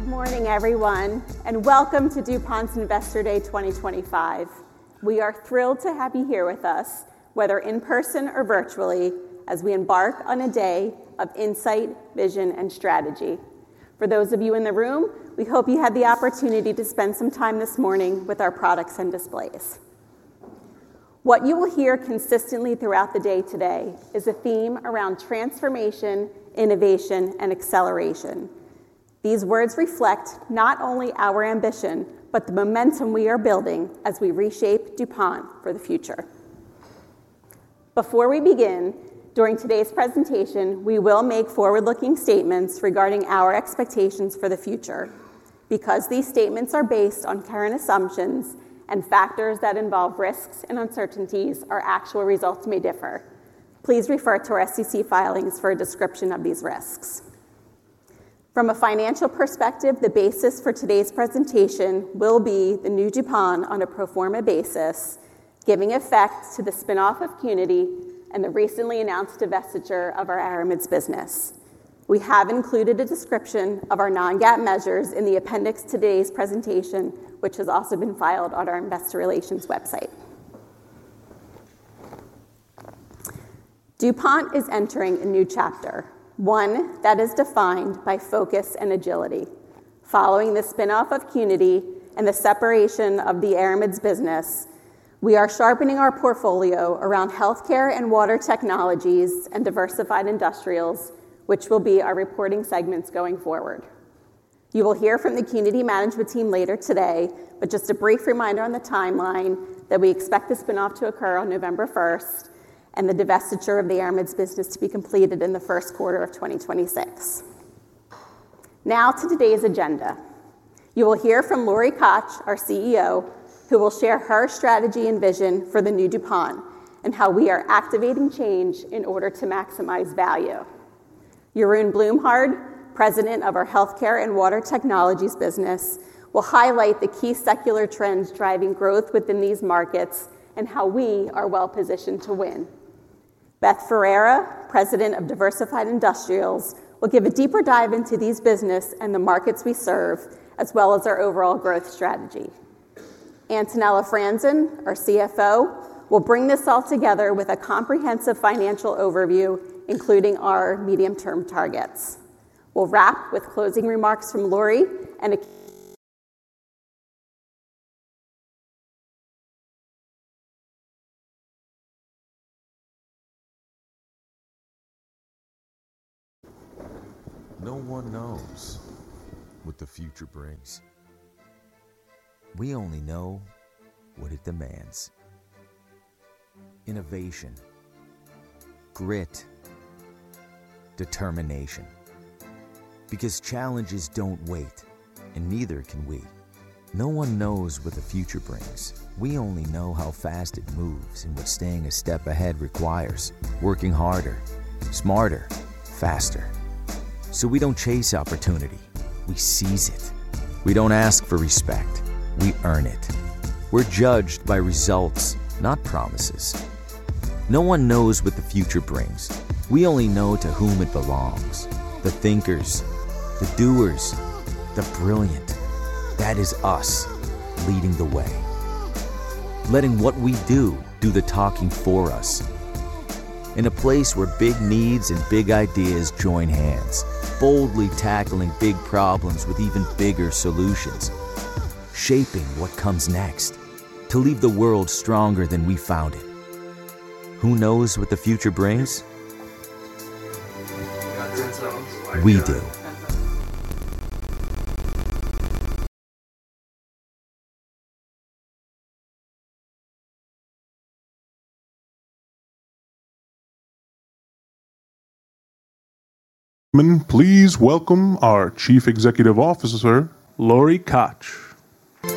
Good morning, everyone, and welcome to DuPont's Investor Day 2025. We are thrilled to have you here with us, whether in person or virtually, as we embark on a day of insight, vision, and strategy. For those of you in the room, we hope you had the opportunity to spend some time this morning with our products and displays. What you will hear consistently throughout the day today is a theme around transformation, innovation, and acceleration. These words reflect not only our ambition, but the momentum we are building as we reshape DuPont for the future. Before we begin, during today's presentation, we will make forward-looking statements regarding our expectations for the future. Because these statements are based on current assumptions and factors that involve risks and uncertainties, our actual results may differ. Please refer to our SEC filings for a description of these risks. From a financial perspective, the basis for today's presentation will be the new DuPont on a pro forma basis, giving effect to the spin-off of Delrin and the recently announced divestiture of our Aramids business. We have included a description of our non-GAAP measures in the appendix to today's presentation, which has also been filed on our Investor Relations website. DuPont is entering a new chapter, one that is defined by focus and agility. Following the spin-off of Delrin and the separation of the Aramids business, we are sharpening our portfolio around healthcare and water technologies and diversified industrials, which will be our reporting segments going forward. You will hear from the management team later today, but just a brief reminder on the timeline that we expect the spin-off to occur on November 1 and the divestiture of the Aramids business to be completed in the first quarter of 2026. Now to today's agenda. You will hear from Lori Koch, our CEO, who will share her strategy and vision for the new DuPont and how we are activating change in order to maximize value. Jeroen Bloemhard, President of our Healthcare and Water Technologies business, will highlight the key secular trends driving growth within these markets and how we are well-positioned to win. Beth Ferreira, President of Diversified Industrials, will give a deeper dive into these businesses and the markets we serve, as well as our overall growth strategy. Antonella Franzen, our CFO, will bring this all together with a comprehensive financial overview, including our medium-term targets. We'll wrap with closing remarks from Lori and... No one knows what the future brings. We only know what it demands: innovation, grit, determination. Because challenges don't wait, and neither can we. No one knows what the future brings. We only know how fast it moves and what staying a step ahead requires, working harder, smarter, faster. We don't chase opportunity, we seize it. We don't ask for respect, we earn it. We're judged by results, not promises. No one knows what the future brings. We only know to whom it belongs: the thinkers, the doers, the brilliant. That is us leading the way, letting what we do do the talking for us in a place where big needs and big ideas join hands, boldly tackling big problems with even bigger solutions, shaping what comes next to leave the world stronger than we found it. Who knows what the future brings? We do. Please welcome our Chief Executive Officer, Lori Koch. Good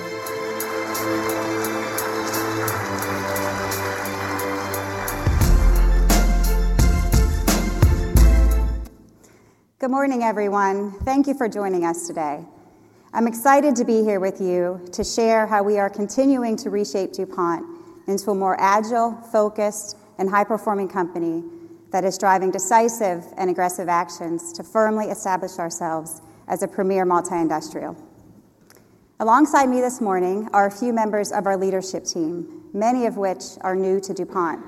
morning, everyone. Thank you for joining us today. I'm excited to be here with you to share how we are continuing to reshape DuPont into a more agile, focused, and high-performing company that is driving decisive and aggressive actions to firmly establish ourselves as a premier multi-industrial. Alongside me this morning are a few members of our leadership team, many of which are new to DuPont.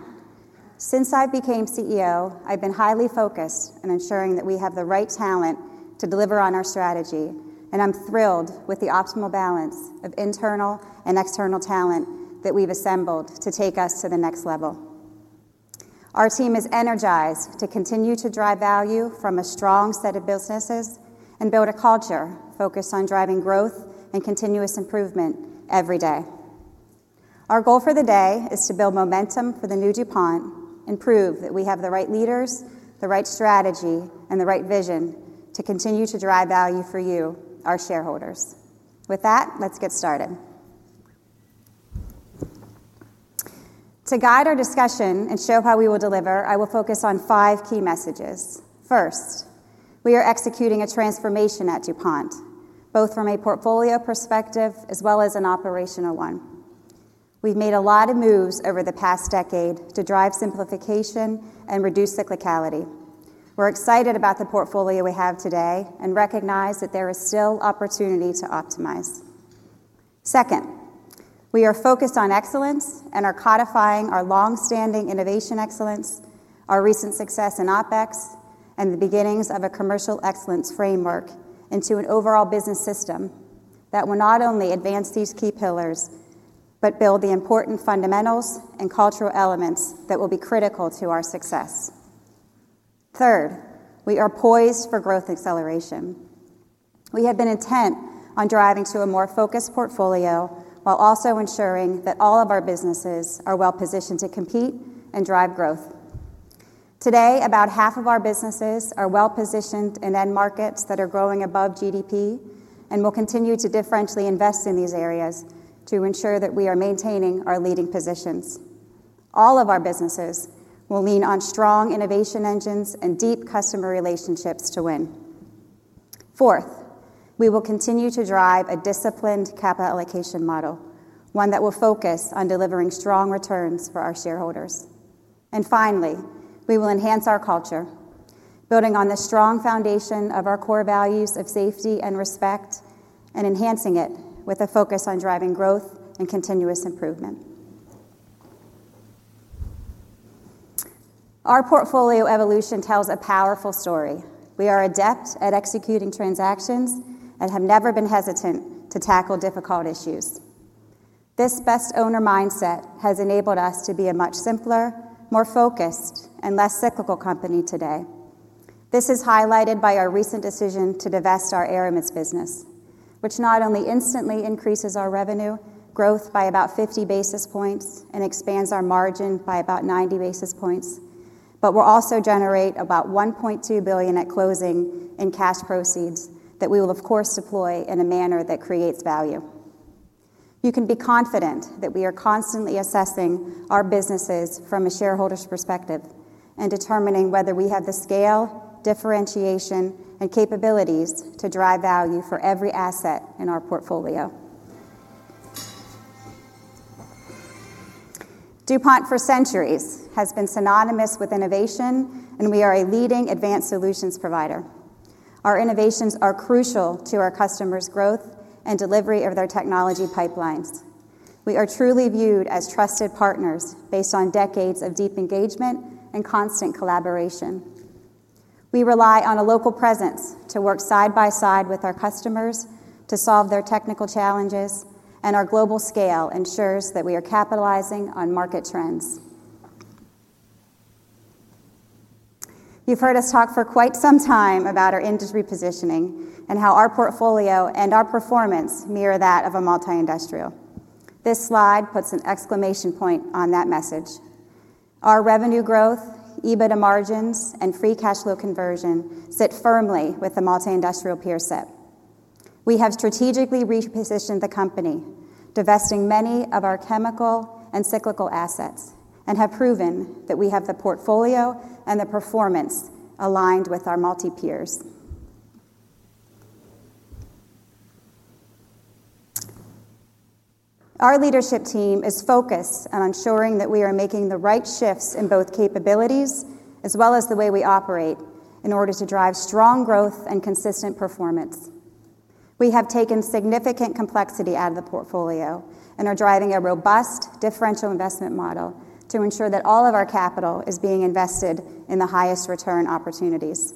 Since I became CEO, I've been highly focused on ensuring that we have the right talent to deliver on our strategy, and I'm thrilled with the optimal balance of internal and external talent that we've assembled to take us to the next level. Our team is energized to continue to drive value from a strong set of businesses and build a culture focused on driving growth and continuous improvement every day. Our goal for the day is to build momentum for the new DuPont and prove that we have the right leaders, the right strategy, and the right vision to continue to drive value for you, our shareholders. With that, let's get started. To guide our discussion and show how we will deliver, I will focus on five key messages. First, we are executing a transformation at DuPont, both from a portfolio perspective as well as an operational one. We've made a lot of moves over the past decade to drive simplification and reduce cyclicality. We're excited about the portfolio we have today and recognize that there is still opportunity to optimize. Second, we are focused on excellence and are codifying our long-standing innovation excellence, our recent success in OpEx, and the beginnings of a commercial excellence framework into an overall business system that will not only advance these key pillars, but build the important fundamentals and cultural elements that will be critical to our success. Third, we are poised for growth acceleration. We have been intent on driving to a more focused portfolio while also ensuring that all of our businesses are well-positioned to compete and drive growth. Today, about half of our businesses are well-positioned in end markets that are growing above GDP and will continue to differentially invest in these areas to ensure that we are maintaining our leading positions. All of our businesses will lean on strong innovation engines and deep customer relationships to win. Fourth, we will continue to drive a disciplined capital allocation model, one that will focus on delivering strong returns for our shareholders. Finally, we will enhance our culture, building on the strong foundation of our core values of safety and respect, and enhancing it with a focus on driving growth and continuous improvement. Our portfolio evolution tells a powerful story. We are adept at executing transactions and have never been hesitant to tackle difficult issues. This best owner mindset has enabled us to be a much simpler, more focused, and less cyclical company today. This is highlighted by our recent decision to divest our Aramids business, which not only instantly increases our revenue growth by about 50 basis points and expands our margin by about 90 basis points, but will also generate about $1.2 billion at closing in cash proceeds that we will, of course, deploy in a manner that creates value. You can be confident that we are constantly assessing our businesses from a shareholder's perspective and determining whether we have the scale, differentiation, and capabilities to drive value for every asset in our portfolio. DuPont for centuries has been synonymous with innovation, and we are a leading advanced solutions provider. Our innovations are crucial to our customers' growth and delivery of their technology pipelines. We are truly viewed as trusted partners based on decades of deep engagement and constant collaboration. We rely on a local presence to work side by side with our customers to solve their technical challenges, and our global scale ensures that we are capitalizing on market trends. You've heard us talk for quite some time about our industry positioning and how our portfolio and our performance mirror that of a multi-industrial. This slide puts an exclamation point on that message. Our revenue growth, EBITDA margins, and free cash flow conversion sit firmly with the multi-industrial peer set. We have strategically repositioned the company, divesting many of our chemical and cyclical assets, and have proven that we have the portfolio and the performance aligned with our multi-peers. Our leadership team is focused on ensuring that we are making the right shifts in both capabilities as well as the way we operate in order to drive strong growth and consistent performance. We have taken significant complexity out of the portfolio and are driving a robust differential investment model to ensure that all of our capital is being invested in the highest return opportunities.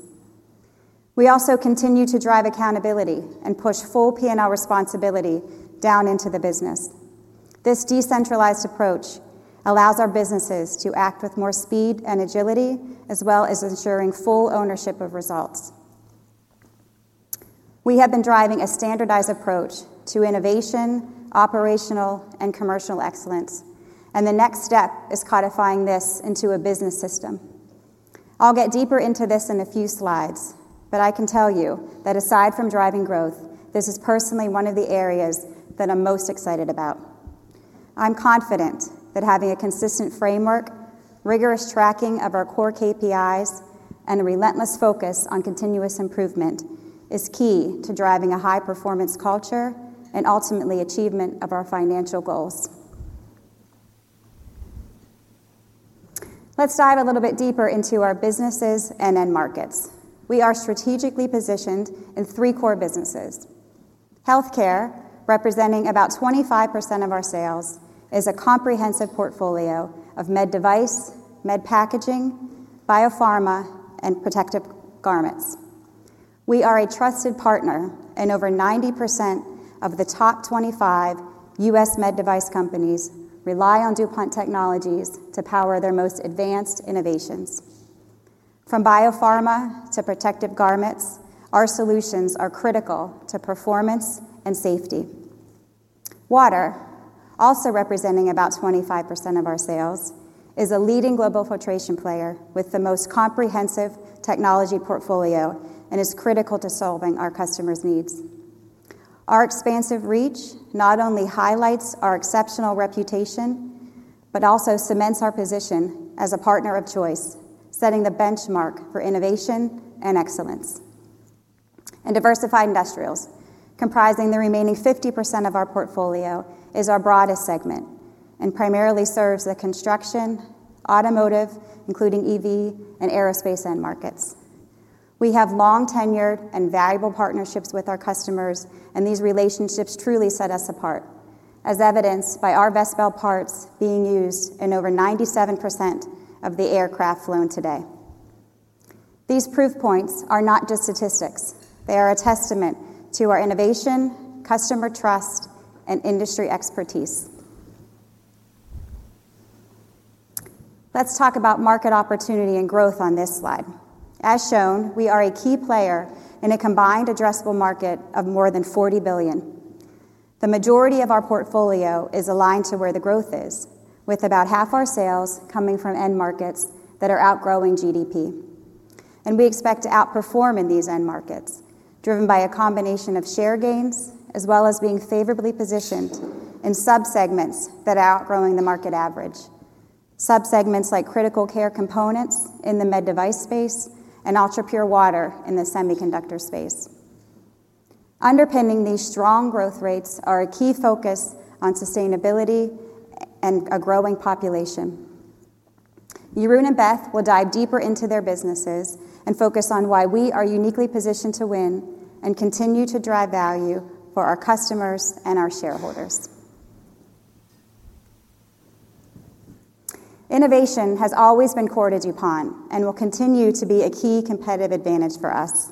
We also continue to drive accountability and push full P&L responsibility down into the business. This decentralized approach allows our businesses to act with more speed and agility, as well as ensuring full ownership of results. We have been driving a standardized approach to innovation, operational, and commercial excellence, and the next step is codifying this into a business system. I'll get deeper into this in a few slides, but I can tell you that aside from driving growth, this is personally one of the areas that I'm most excited about. I'm confident that having a consistent framework, rigorous tracking of our core KPIs, and a relentless focus on continuous improvement is key to driving a high-performance culture and ultimately achievement of our financial goals. Let's dive a little bit deeper into our businesses and end markets. We are strategically positioned in three core businesses. Healthcare, representing about 25% of our sales, is a comprehensive portfolio of med device, med packaging, biopharma, and protective garments. We are a trusted partner, and over 90% of the top 25 U.S. med device companies rely on DuPont technologies to power their most advanced innovations. From biopharma to protective garments, our solutions are critical to performance and safety. Water, also representing about 25% of our sales, is a leading global filtration player with the most comprehensive technology portfolio and is critical to solving our customers' needs. Our expansive reach not only highlights our exceptional reputation but also cements our position as a partner of choice, setting the benchmark for innovation and excellence. Diversified industrials, comprising the remaining 50% of our portfolio, is our broadest segment and primarily serves the construction, automotive, including EV, and aerospace end markets. We have long tenured and valuable partnerships with our customers, and these relationships truly set us apart, as evidenced by our best bell parts being used in over 97% of the aircraft flown today. These proof points are not just statistics; they are a testament to our innovation, customer trust, and industry expertise. Let's talk about market opportunity and growth on this slide. As shown, we are a key player in a combined addressable market of more than $40 billion. The majority of our portfolio is aligned to where the growth is, with about half our sales coming from end markets that are outgrowing GDP. We expect to outperform in these end markets, driven by a combination of share gains as well as being favorably positioned in subsegments that are outgrowing the market average. Subsegments like critical care components in the med device space and ultra-pure water in the semiconductor space. Underpinning these strong growth rates are a key focus on sustainability and a growing population. Jeroen and Beth will dive deeper into their businesses and focus on why we are uniquely positioned to win and continue to drive value for our customers and our shareholders. Innovation has always been core to DuPont and will continue to be a key competitive advantage for us.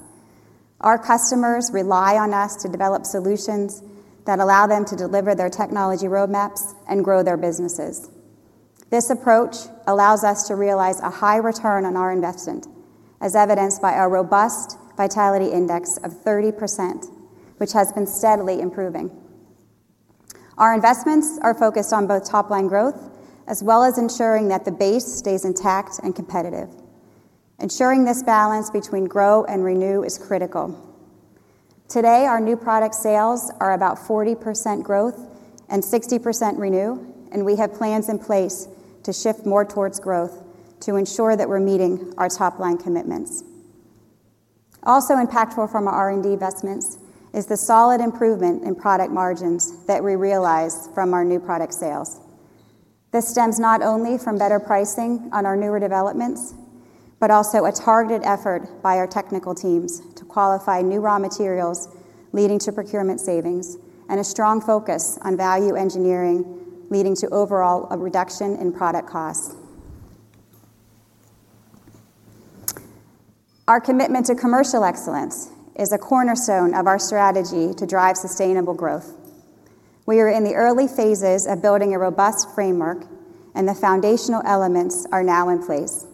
Our customers rely on us to develop solutions that allow them to deliver their technology roadmaps and grow their businesses. This approach allows us to realize a high return on our investment, as evidenced by our robust vitality index of 30%, which has been steadily improving. Our investments are focused on both top-line growth as well as ensuring that the base stays intact and competitive. Ensuring this balance between grow and renew is critical. Today, our new product sales are about 40% growth and 60% renew, and we have plans in place to shift more towards growth to ensure that we're meeting our top-line commitments. Also impactful from our R&D investments is the solid improvement in product margins that we realize from our new product sales. This stems not only from better pricing on our newer developments, but also a targeted effort by our technical teams to qualify new raw materials, leading to procurement savings, and a strong focus on value engineering, leading to overall a reduction in product costs. Our commitment to commercial excellence is a cornerstone of our strategy to drive sustainable growth. We are in the early phases of building a robust framework, and the foundational elements are now in place.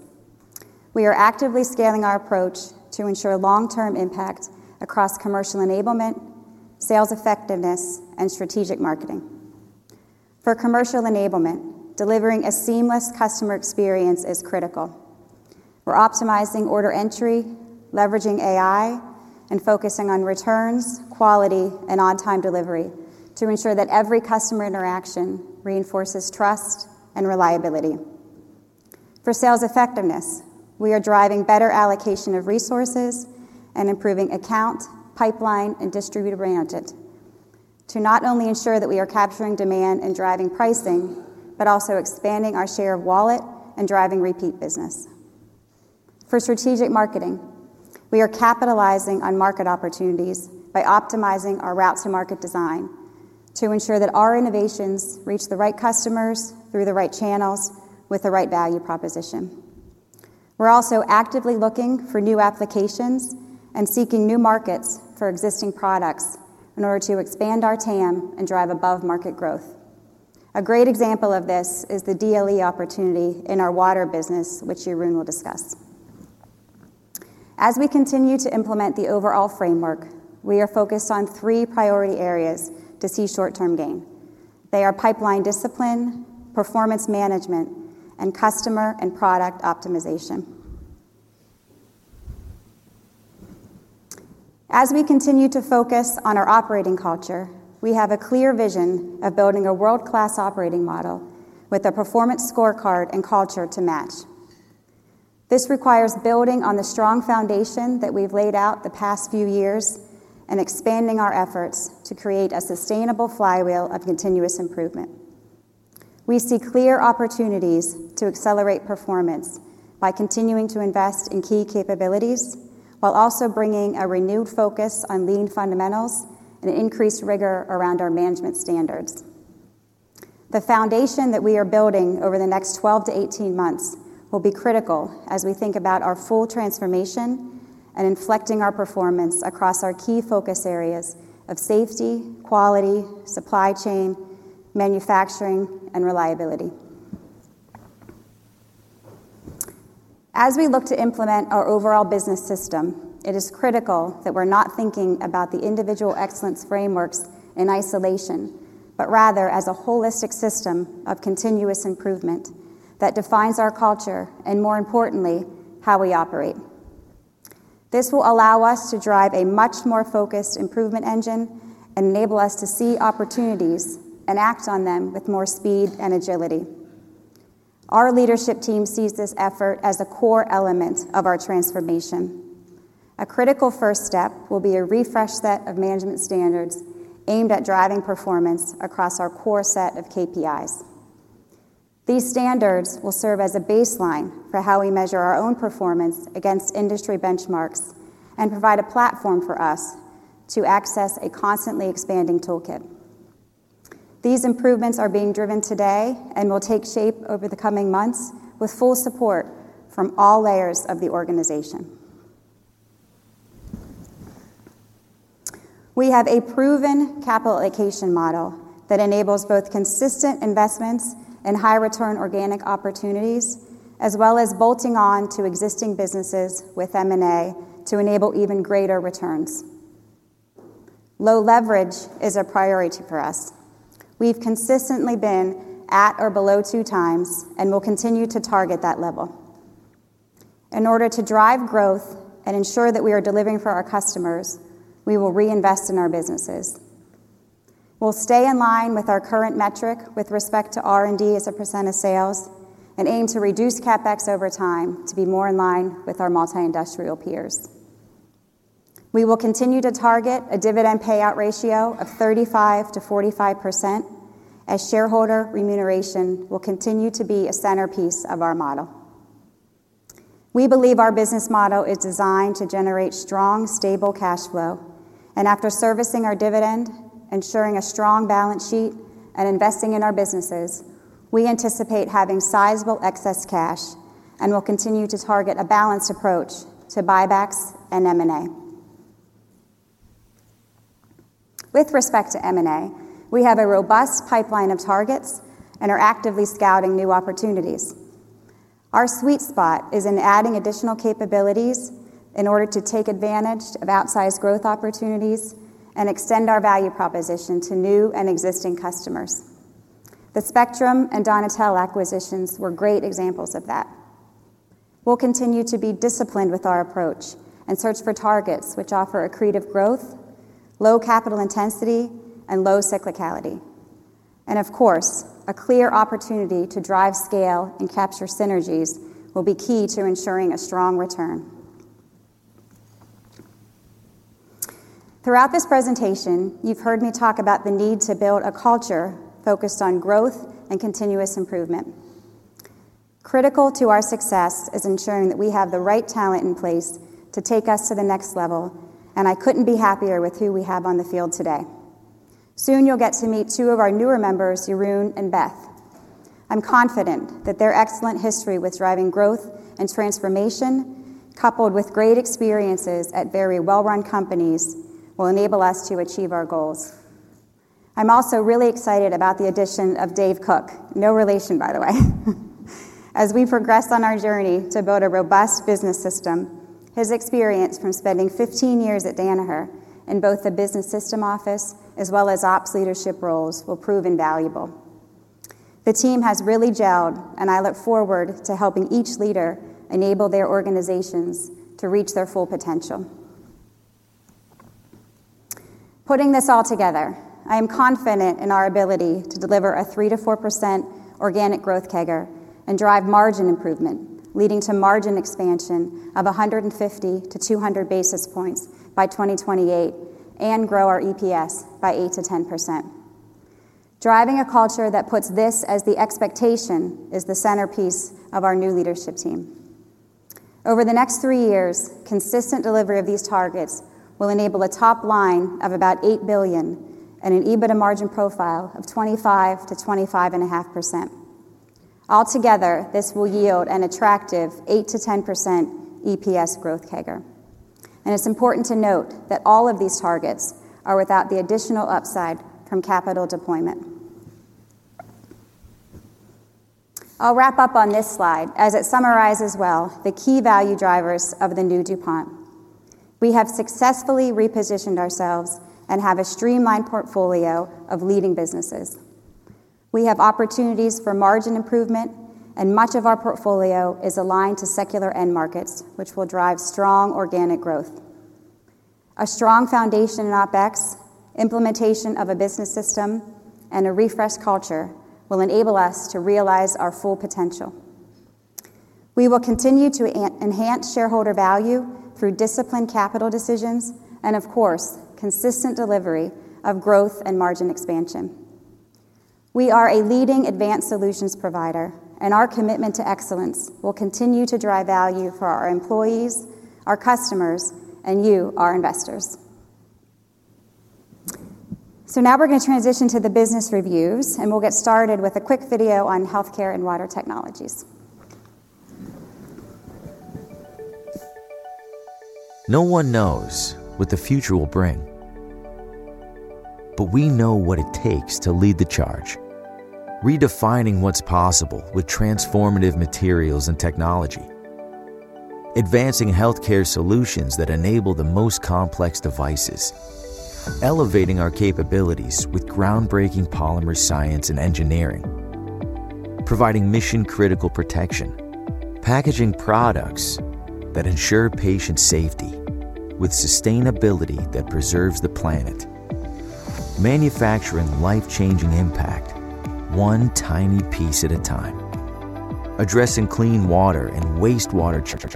We are actively scaling our approach to ensure long-term impact across commercial enablement, sales effectiveness, and strategic marketing. For commercial enablement, delivering a seamless customer experience is critical. We're optimizing order entry, leveraging AI, and focusing on returns, quality, and on-time delivery to ensure that every customer interaction reinforces trust and reliability. For sales effectiveness, we are driving better allocation of resources and improving account, pipeline, and distributor branding to not only ensure that we are capturing demand and driving pricing, but also expanding our share of wallet and driving repeat business. For strategic marketing, we are capitalizing on market opportunities by optimizing our route to market design to ensure that our innovations reach the right customers through the right channels with the right value proposition. We're also actively looking for new applications and seeking new markets for existing products in order to expand our TAM and drive above-market growth. A great example of this is the direct lithium extraction opportunity in our water business, which Jeroen Bloemhard will discuss. As we continue to implement the overall framework, we are focused on three priority areas to see short-term gain. They are pipeline discipline, performance management, and customer and product optimization. As we continue to focus on our operating culture, we have a clear vision of building a world-class operating model with a performance scorecard and culture to match. This requires building on the strong foundation that we've laid out the past few years and expanding our efforts to create a sustainable flywheel of continuous improvement. We see clear opportunities to accelerate performance by continuing to invest in key capabilities while also bringing a renewed focus on lean fundamentals and increased rigor around our management standards. The foundation that we are building over the next 12 to 18 months will be critical as we think about our full transformation and inflecting our performance across our key focus areas of safety, quality, supply chain, manufacturing, and reliability. As we look to implement our overall business system, it is critical that we're not thinking about the individual excellence frameworks in isolation, but rather as a holistic system of continuous improvement that defines our culture and, more importantly, how we operate. This will allow us to drive a much more focused improvement engine and enable us to see opportunities and act on them with more speed and agility. Our leadership team sees this effort as a core element of our transformation. A critical first step will be a refreshed set of management standards aimed at driving performance across our core set of KPIs. These standards will serve as a baseline for how we measure our own performance against industry benchmarks and provide a platform for us to access a constantly expanding toolkit. These improvements are being driven today and will take shape over the coming months with full support from all layers of the organization. We have a proven capital allocation model that enables both consistent investments and high-return organic opportunities, as well as bolting on to existing businesses with M&A to enable even greater returns. Low leverage is a priority for us. We've consistently been at or below 2 times and will continue to target that level. In order to drive growth and ensure that we are delivering for our customers, we will reinvest in our businesses. We'll stay in line with our current metric with respect to R&D as a percent of sales and aim to reduce CapEx over time to be more in line with our multi-industrial peers. We will continue to target a dividend payout ratio of 35%-45%, as shareholder remuneration will continue to be a centerpiece of our model. We believe our business model is designed to generate strong, stable cash flow, and after servicing our dividend, ensuring a strong balance sheet, and investing in our businesses, we anticipate having sizable excess cash and will continue to target a balanced approach to buybacks and M&A. With respect to M&A, we have a robust pipeline of targets and are actively scouting new opportunities. Our sweet spot is in adding additional capabilities in order to take advantage of outsized growth opportunities and extend our value proposition to new and existing customers. The Spectrum and Donatelle acquisitions were great examples of that. We'll continue to be disciplined with our approach and search for targets which offer accretive growth, low capital intensity, and low cyclicality. Of course, a clear opportunity to drive scale and capture synergies will be key to ensuring a strong return. Throughout this presentation, you've heard me talk about the need to build a culture focused on growth and continuous improvement. Critical to our success is ensuring that we have the right talent in place to take us to the next level, and I couldn't be happier with who we have on the field today. Soon, you'll get to meet two of our newer members, Jeroen and Beth. I'm confident that their excellent history with driving growth and transformation, coupled with great experiences at very well-run companies, will enable us to achieve our goals. I'm also really excited about the addition of Dave Koch, no relation, by the way. As we progress on our journey to build a robust business system, his experience from spending 15 years at Danaher in both the business system office as well as ops leadership roles will prove invaluable. The team has really gelled, and I look forward to helping each leader enable their organizations to reach their full potential. Putting this all together, I am confident in our ability to deliver a 3%-4% organic growth CAGR and drive margin improvement, leading to margin expansion of 150-200 basis points by 2028 and grow our EPS by 8%-10%. Driving a culture that puts this as the expectation is the centerpiece of our new leadership team. Over the next three years, consistent delivery of these targets will enable a top line of about $8 billion and an EBITDA margin profile of 25% to 25.5%. Altogether, this will yield an attractive 8%-10% EPS growth CAGR. It's important to note that all of these targets are without the additional upside from capital deployment. I'll wrap up on this slide as it summarizes well the key value drivers of the new DuPont. We have successfully repositioned ourselves and have a streamlined portfolio of leading businesses. We have opportunities for margin improvement, and much of our portfolio is aligned to secular end markets, which will drive strong organic growth. A strong foundation in OpEx, implementation of a business system, and a refreshed culture will enable us to realize our full potential. We will continue to enhance shareholder value through disciplined capital decisions and, of course, consistent delivery of growth and margin expansion. We are a leading advanced solutions provider, and our commitment to excellence will continue to drive value for our employees, our customers, and you, our investors. Now we're going to transition to the business reviews, and we'll get started with a quick video on healthcare and water technologies. No one knows what the future will bring, but we know what it takes to lead the charge, redefining what's possible with transformative materials and technology, advancing healthcare solutions that enable the most complex devices, elevating our capabilities with groundbreaking polymer science and engineering, providing mission-critical protection, packaging products that ensure patient safety with sustainability that preserves the planet, manufacturing life-changing impact, one tiny piece at a time, addressing clean water and wastewater change.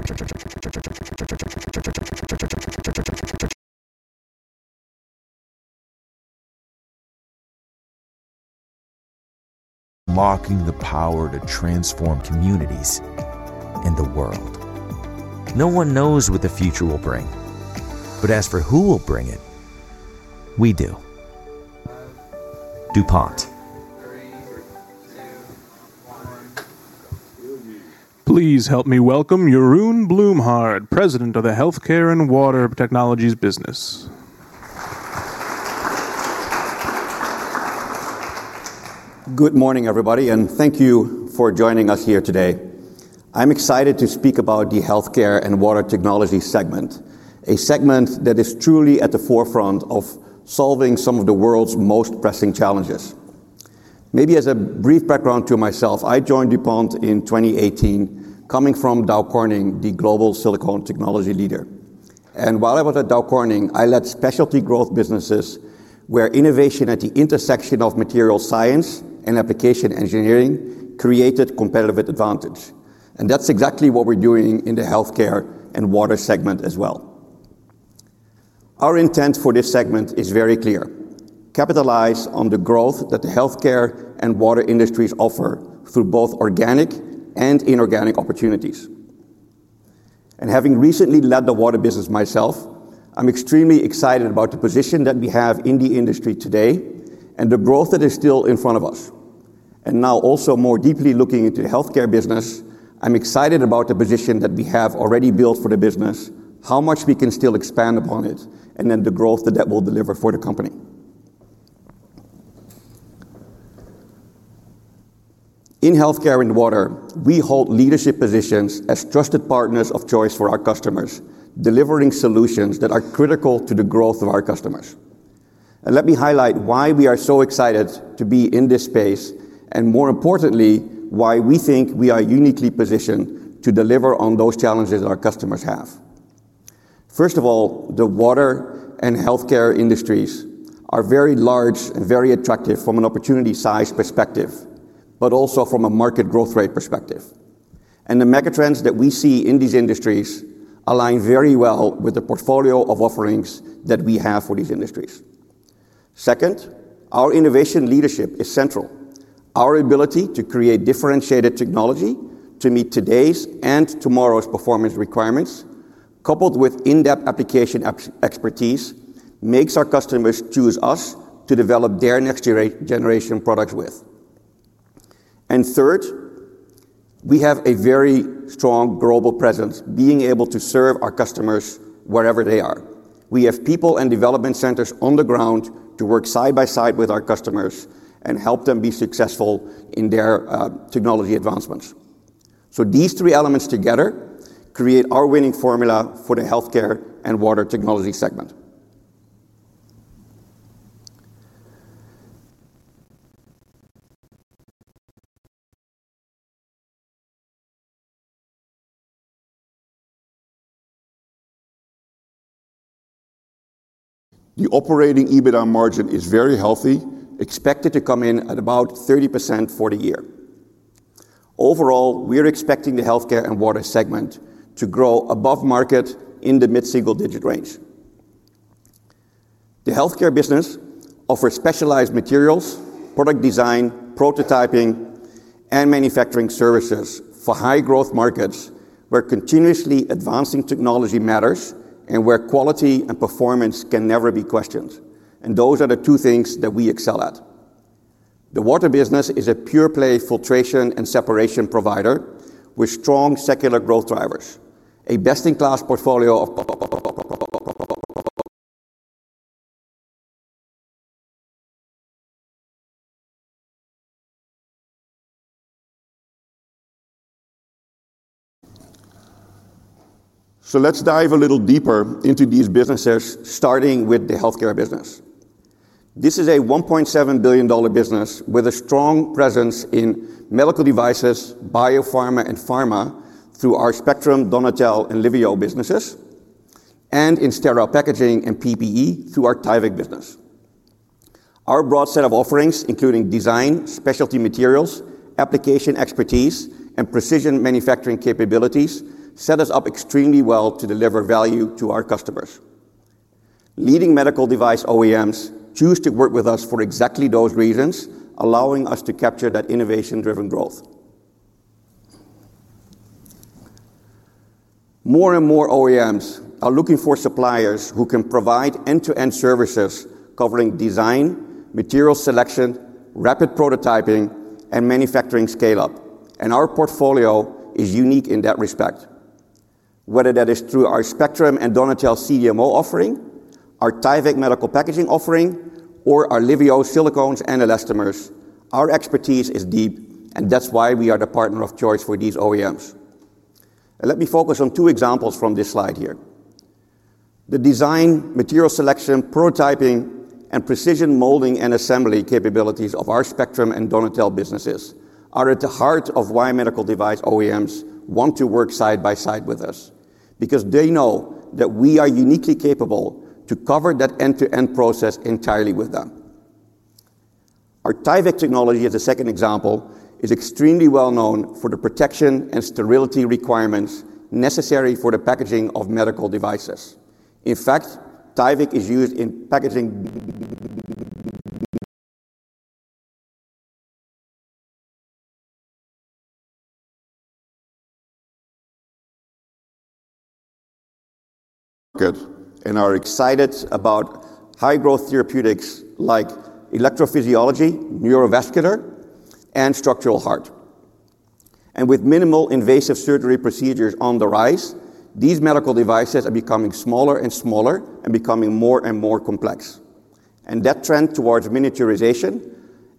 Marking the power to transform communities and the world. No one knows what the future will bring, but as for who will bring it, we do. DuPont. Please help me welcome Jeroen Bloemhard, President of the Healthcare and Water Technologies business. Good morning, everybody, and thank you for joining us here today. I'm excited to speak about the Healthcare and Water Technology segment, a segment that is truly at the forefront of solving some of the world's most pressing challenges. Maybe as a brief background to myself, I joined DuPont in 2018, coming from Dow Corning, the global silicon technology leader. While I was at Dow Corning, I led specialty growth businesses where innovation at the intersection of material science and application engineering created a competitive advantage. That's exactly what we're doing in the Healthcare and Water segment as well. Our intent for this segment is very clear: capitalize on the growth that the healthcare and water industries offer through both organic and inorganic opportunities. Having recently led the water business myself, I'm extremely excited about the position that we have in the industry today and the growth that is still in front of us. Now also more deeply looking into the healthcare business, I'm excited about the position that we have already built for the business, how much we can still expand upon it, and then the growth that that will deliver for the company. In Healthcare and Water, we hold leadership positions as trusted partners of choice for our customers, delivering solutions that are critical to the growth of our customers. Let me highlight why we are so excited to be in this space and, more importantly, why we think we are uniquely positioned to deliver on those challenges that our customers have. First of all, the water and healthcare industries are very large and very attractive from an opportunity size perspective, but also from a market growth rate perspective. The megatrends that we see in these industries align very well with the portfolio of offerings that we have for these industries. Second, our innovation leadership is central. Our ability to create differentiated technology to meet today's and tomorrow's performance requirements, coupled with in-depth application expertise, makes our customers choose us to develop their next-generation products with. Third, we have a very strong global presence, being able to serve our customers wherever they are. We have people and development centers on the ground to work side by side with our customers and help them be successful in their technology advancements. These three elements together create our winning formula for the Healthcare and Water Technology segment. The operating EBITDA margin is very healthy, expected to come in at about 30% for the year. Overall, we are expecting the Healthcare and Water segment to grow above market in the mid-single-digit range. The Healthcare business offers specialized materials, product design, prototyping, and manufacturing services for high-growth markets where continuously advancing technology matters and where quality and performance can never be questioned. Those are the two things that we excel at. The Water business is a pure-play filtration and separation provider with strong secular growth drivers, a best-in-class portfolio. Let's dive a little deeper into these businesses, starting with the Healthcare business. This is a $1.7 billion business with a strong presence in medical devices, biopharma, and pharma through our Spectrum, Donatelle, and Liveo businesses, and in sterile packaging and PPE through our Tyvek business. Our broad set of offerings, including design, specialty materials, application expertise, and precision manufacturing capabilities, set us up extremely well to deliver value to our customers. Leading medical device OEMs choose to work with us for exactly those reasons, allowing us to capture that innovation-driven growth. More and more OEMs are looking for suppliers who can provide end-to-end services covering design, material selection, rapid prototyping, and manufacturing scale-up. Our portfolio is unique in that respect. Whether that is through our Spectrum and Donatelle CDMO offering, our Tyvek medical packaging offering, or our Liveo silicones and elastomers, our expertise is deep, and that's why we are the partner of choice for these OEMs. Let me focus on two examples from this slide here. The design, material selection, prototyping, and precision molding and assembly capabilities of our Spectrum and Donatelle businesses are at the heart of why medical device OEMs want to work side by side with us because they know that we are uniquely capable to cover that end-to-end process entirely with them. Our Tyvek technology, as a second example, is extremely well known for the protection and sterility requirements necessary for the packaging of medical devices. In fact, Tyvek is used in packaging. We are excited about high-growth therapeutics like electrophysiology, neurovascular, and structural heart. With minimal invasive surgery procedures on the rise, these medical devices are becoming smaller and smaller and becoming more and more complex. That trend towards med device miniaturization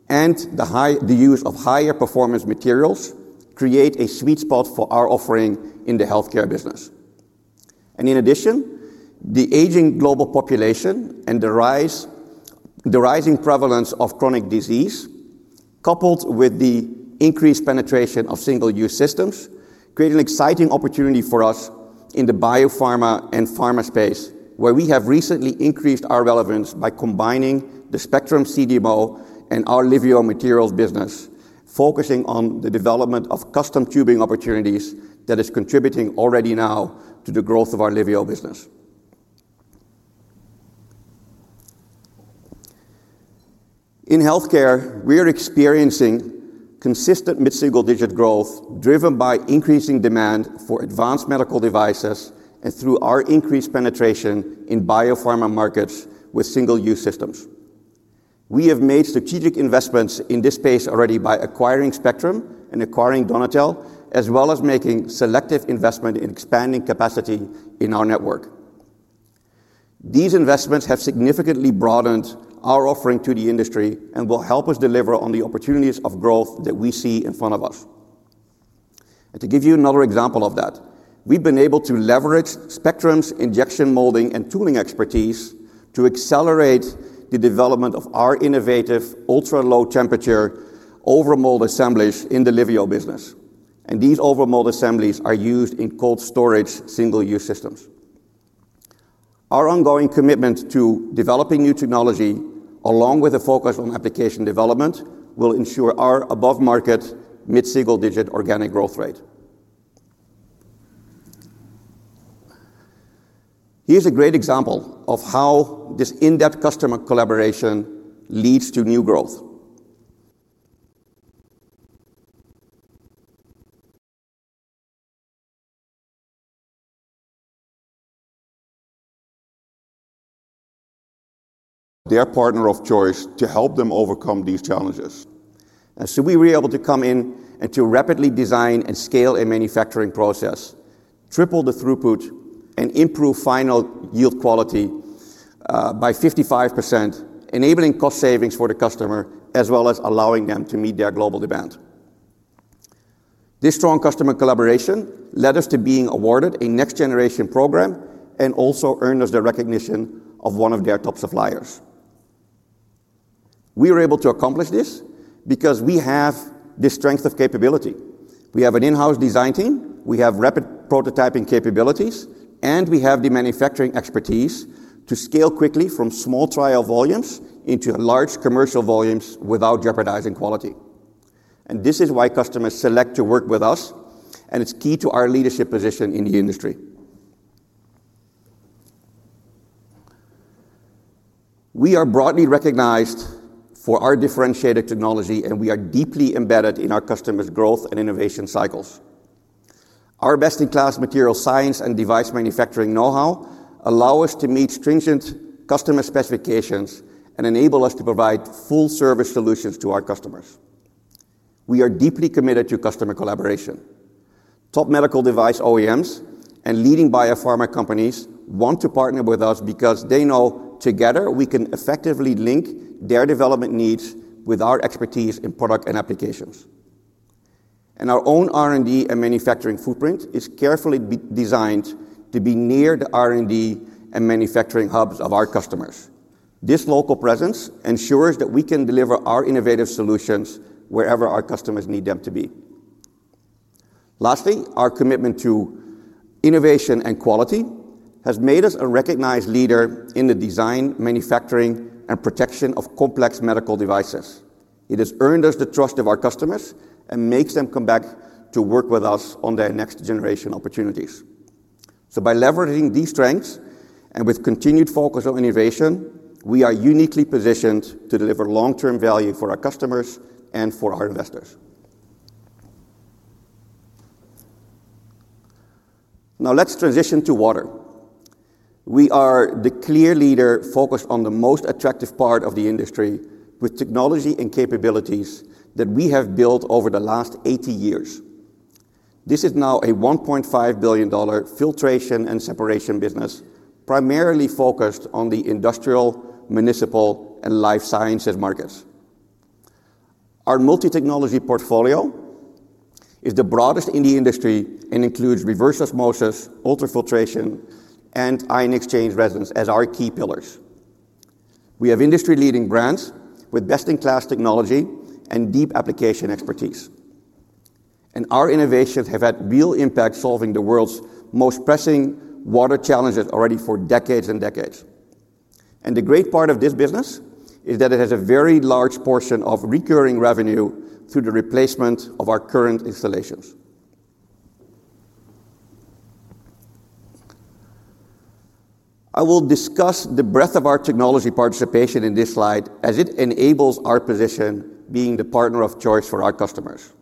and the use of higher performance materials creates a sweet spot for our offering in the healthcare business. In addition, the aging global population and the rising prevalence of chronic disease, coupled with the increased penetration of biopharma single-use systems, create an exciting opportunity for us in the biopharma and pharma space, where we have recently increased our relevance by combining the Spectrum CDMO and our Liveo materials business, focusing on the development of custom tubing opportunities that are contributing already now to the growth of our Liveo business. In healthcare, we are experiencing consistent mid-single-digit growth driven by increasing demand for advanced medical devices and through our increased penetration in biopharma markets with biopharma single-use systems. We have made strategic investments in this space already by acquiring Spectrum and acquiring Donatelle, as well as making selective investments in expanding capacity in our network. These investments have significantly broadened our offering to the industry and will help us deliver on the opportunities of growth that we see in front of us. To give you another example of that, we've been able to leverage Spectrum's injection molding and tooling expertise to accelerate the development of our innovative ultra-low temperature overmold assemblies in the Liveo business. These overmold assemblies are used in cold storage biopharma single-use systems. Our ongoing commitment to developing new technology, along with a focus on application development, will ensure our above-market mid-single-digit organic growth rate. Here's a great example of how this in-depth customer collaboration leads to new growth. They're a partner of choice to help them overcome these challenges. We were able to come in and to rapidly design and scale a manufacturing process, triple the throughput, and improve final yield quality by 55%, enabling cost savings for the customer, as well as allowing them to meet their global demand. This strong customer collaboration led us to being awarded a next-generation program and also earned us the recognition of one of their top suppliers. We were able to accomplish this because we have the strength of capability. We have an in-house design team, we have rapid prototyping capabilities, and we have the manufacturing expertise to scale quickly from small trial volumes into large commercial volumes without jeopardizing quality. This is why customers select to work with us, and it's key to our leadership position in the industry. We are broadly recognized for our differentiated technology, and we are deeply embedded in our customers' growth and innovation cycles. Our best-in-class material science and device manufacturing know-how allow us to meet stringent customer specifications and enable us to provide full-service solutions to our customers. We are deeply committed to customer collaboration. Top medical device OEMs and leading biopharma companies want to partner with us because they know together we can effectively link their development needs with our expertise in product and applications. Our own R&D and manufacturing footprint is carefully designed to be near the R&D and manufacturing hubs of our customers. This local presence ensures that we can deliver our innovative solutions wherever our customers need them to be. Lastly, our commitment to innovation and quality has made us a recognized leader in the design, manufacturing, and protection of complex medical devices. It has earned us the trust of our customers and makes them come back to work with us on their next-generation opportunities. By leveraging these strengths and with continued focus on innovation, we are uniquely positioned to deliver long-term value for our customers and for our investors. Now let's transition to water. We are the clear leader focused on the most attractive part of the industry with technology and capabilities that we have built over the last 80 years. This is now a $1.5 billion filtration and separation business, primarily focused on the industrial, municipal, and life sciences markets. Our multi-technology portfolio is the broadest in the industry and includes reverse osmosis, ultrafiltration, and ion exchange resins as our key pillars. We have industry-leading brands with best-in-class technology and deep application expertise. Our innovations have had real impact solving the world's most pressing water challenges already for decades and decades. The great part of this business is that it has a very large portion of recurring revenue through the replacement of our current installations. I will discuss the breadth of our technology participation in this slide as it enables our position being the partner of choice for our customers.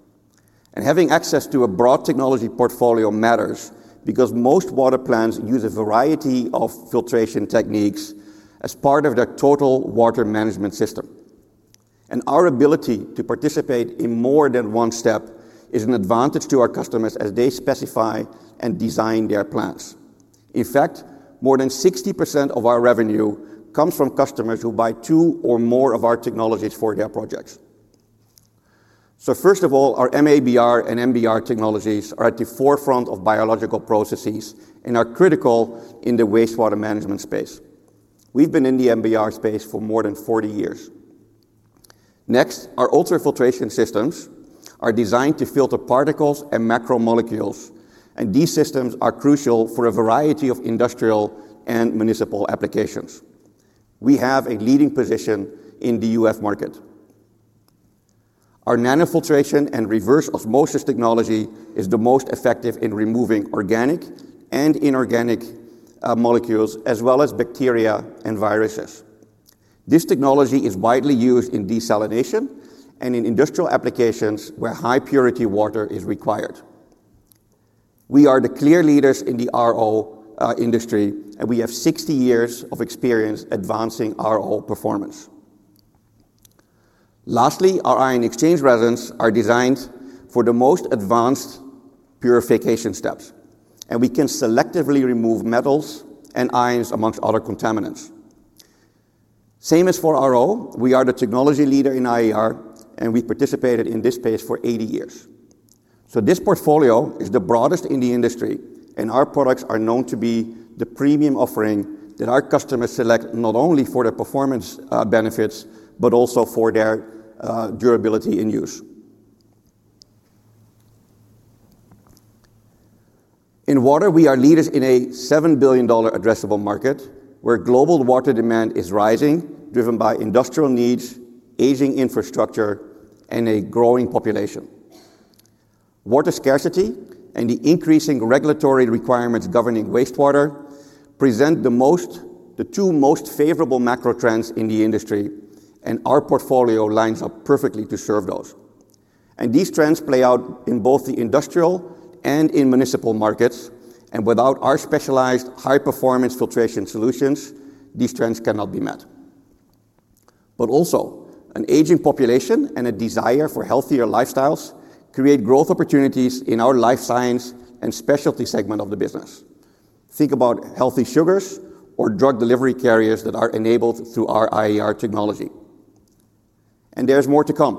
Having access to a broad technology portfolio matters because most water plants use a variety of filtration techniques as part of their total water management system. Our ability to participate in more than one step is an advantage to our customers as they specify and design their plans. In fact, more than 60% of our revenue comes from customers who buy two or more of our technologies for their projects. First of all, our MABR and MBR technologies are at the forefront of biological processes and are critical in the wastewater management space. We've been in the MBR space for more than 40 years. Next, our ultrafiltration systems are designed to filter particles and macromolecules, and these systems are crucial for a variety of industrial and municipal applications. We have a leading position in the U.S. market. Our nanofiltration and reverse osmosis technology is the most effective in removing organic and inorganic molecules, as well as bacteria and viruses. This technology is widely used in desalination and in industrial applications where high-purity water is required. We are the clear leaders in the RO industry, and we have 60 years of experience advancing RO performance. Lastly, our ion exchange resins are designed for the most advanced purification steps, and we can selectively remove metals and ions amongst other contaminants. Same as for RO, we are the technology leader in IER, and we participated in this space for 80 years. This portfolio is the broadest in the industry, and our products are known to be the premium offering that our customers select not only for the performance benefits, but also for their durability in use. In water, we are leaders in a $7 billion addressable market where global water demand is rising, driven by industrial needs, aging infrastructure, and a growing population. Water scarcity and the increasing regulatory requirements governing wastewater present the two most favorable macro trends in the industry, and our portfolio lines up perfectly to serve those. These trends play out in both the industrial and in municipal markets, and without our specialized high-performance filtration solutions, these trends cannot be met. An aging population and a desire for healthier lifestyles create growth opportunities in our life science and specialty segment of the business. Think about healthy sugars or drug delivery carriers that are enabled through our IER technology. There's more to come.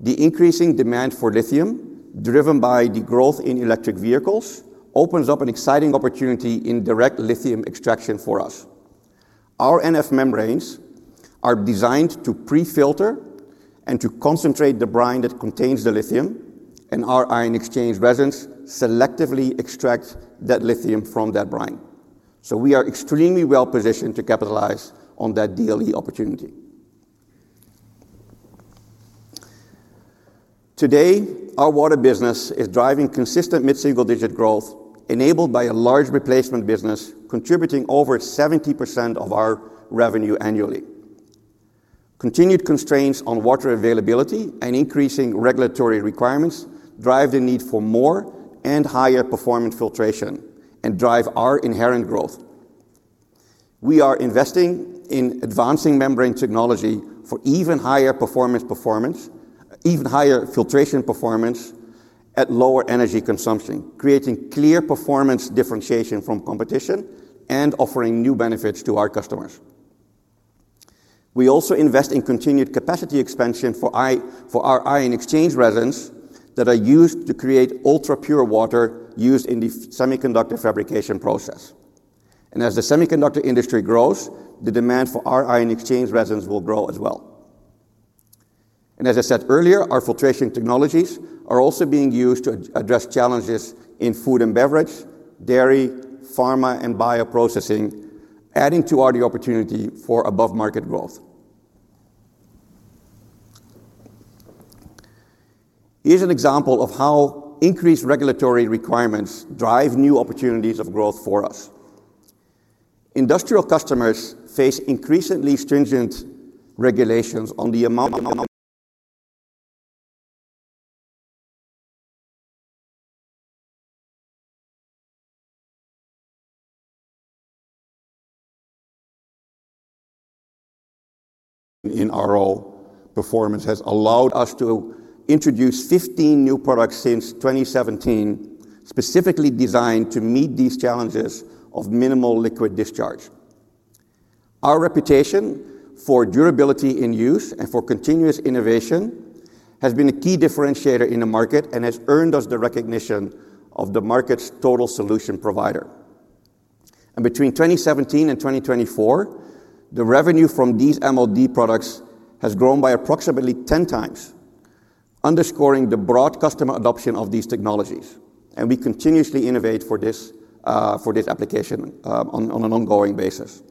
The increasing demand for lithium, driven by the growth in electric vehicles, opens up an exciting opportunity in direct lithium extraction for us. Our NF membranes are designed to pre-filter and to concentrate the brine that contains the lithium, and our ion exchange resins selectively extract that lithium from that brine. We are extremely well positioned to capitalize on that daily opportunity. Today, our water business is driving consistent mid-single-digit growth, enabled by a large replacement business contributing over 70% of our revenue annually. Continued constraints on water availability and increasing regulatory requirements drive the need for more and higher performance filtration and drive our inherent growth. We are investing in advancing membrane technology for even higher performance, even higher filtration performance at lower energy consumption, creating clear performance differentiation from competition and offering new benefits to our customers. We also invest in continued capacity expansion for our ion exchange resins that are used to create ultra-pure water used in the semiconductor fabrication process. As the semiconductor industry grows, the demand for our ion exchange resins will grow as well. As I said earlier, our filtration technologies are also being used to address challenges in food and beverage, dairy, pharma, and bioprocessing, adding to our opportunity for above-market growth. Here's an example of how increased regulatory requirements drive new opportunities of growth for us. Industrial customers face increasingly stringent regulations on the amount of. Our performance has allowed us to introduce 15 new products since 2017, specifically designed to meet these challenges of minimal liquid discharge. Our reputation for durability in use and for continuous innovation has been a key differentiator in the market and has earned us the recognition of the market's total solution provider. Between 2017 and 2024, the revenue from these MOD products has grown by approximately 10 times, underscoring the broad customer adoption of these technologies. We continuously innovate for this application on an ongoing basis.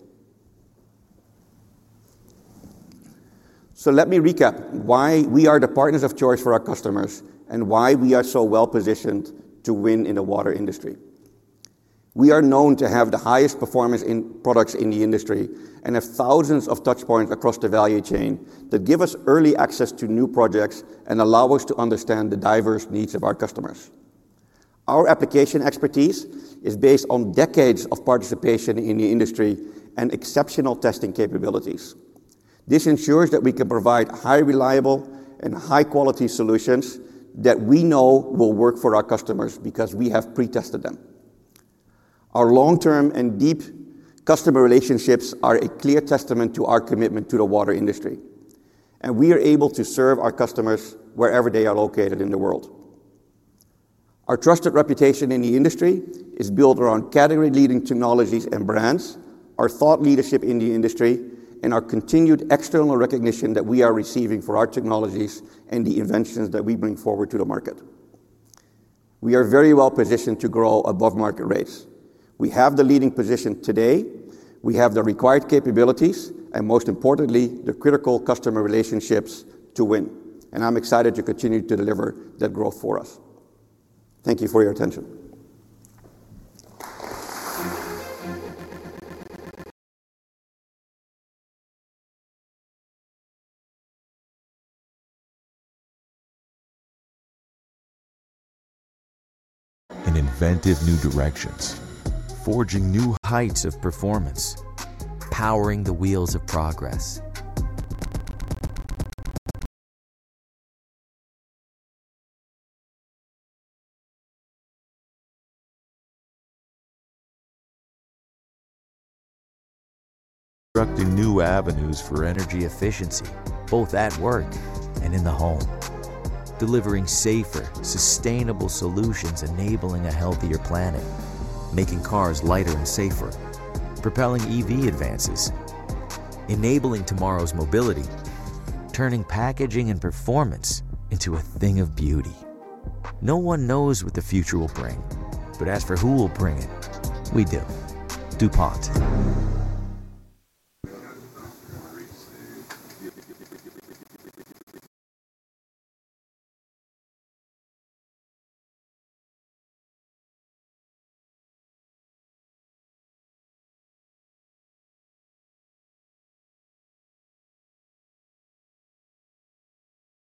Let me recap why we are the partners of choice for our customers and why we are so well positioned to win in the water industry. We are known to have the highest performance products in the industry and have thousands of touchpoints across the value chain that give us early access to new projects and allow us to understand the diverse needs of our customers. Our application expertise is based on decades of participation in the industry and exceptional testing capabilities. This ensures that we can provide highly reliable and high-quality solutions that we know will work for our customers because we have pre-tested them. Our long-term and deep customer relationships are a clear testament to our commitment to the water industry, and we are able to serve our customers wherever they are located in the world. Our trusted reputation in the industry is built around category-leading technologies and brands, our thought leadership in the industry, and our continued external recognition that we are receiving for our technologies and the inventions that we bring forward to the market. We are very well positioned to grow above market rates. We have the leading position today. We have the required capabilities, and most importantly, the critical customer relationships to win. I'm excited to continue to deliver that growth for us. Thank you for your attention. In inventive new directions, forging new heights of performance, powering the wheels of progress. Constructing new avenues for energy efficiency, both at work and in the home, delivering safer, sustainable solutions, enabling a healthier planet, making cars lighter and safer, propelling EV advances, enabling tomorrow's mobility, turning packaging and performance into a thing of beauty. No one knows what the future will bring, but as for who will bring it, we do. DuPont.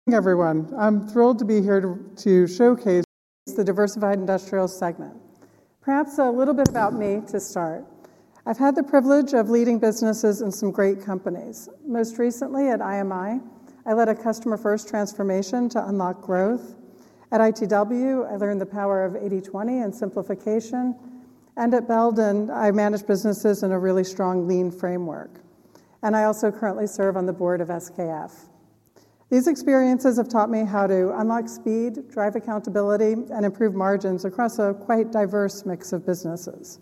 Thank you, everyone. I'm thrilled to be here to showcase the Diversified Industrials segment. Perhaps a little bit about me to start. I've had the privilege of leading businesses in some great companies. Most recently at IMI, I led a customer-first transformation to unlock growth. At ITW, I learned the power of 80/20 and simplification. At Belden, I managed businesses in a really strong lean framework. I also currently serve on the board of SKF. These experiences have taught me how to unlock speed, drive accountability, and improve margins across a quite diverse mix of businesses.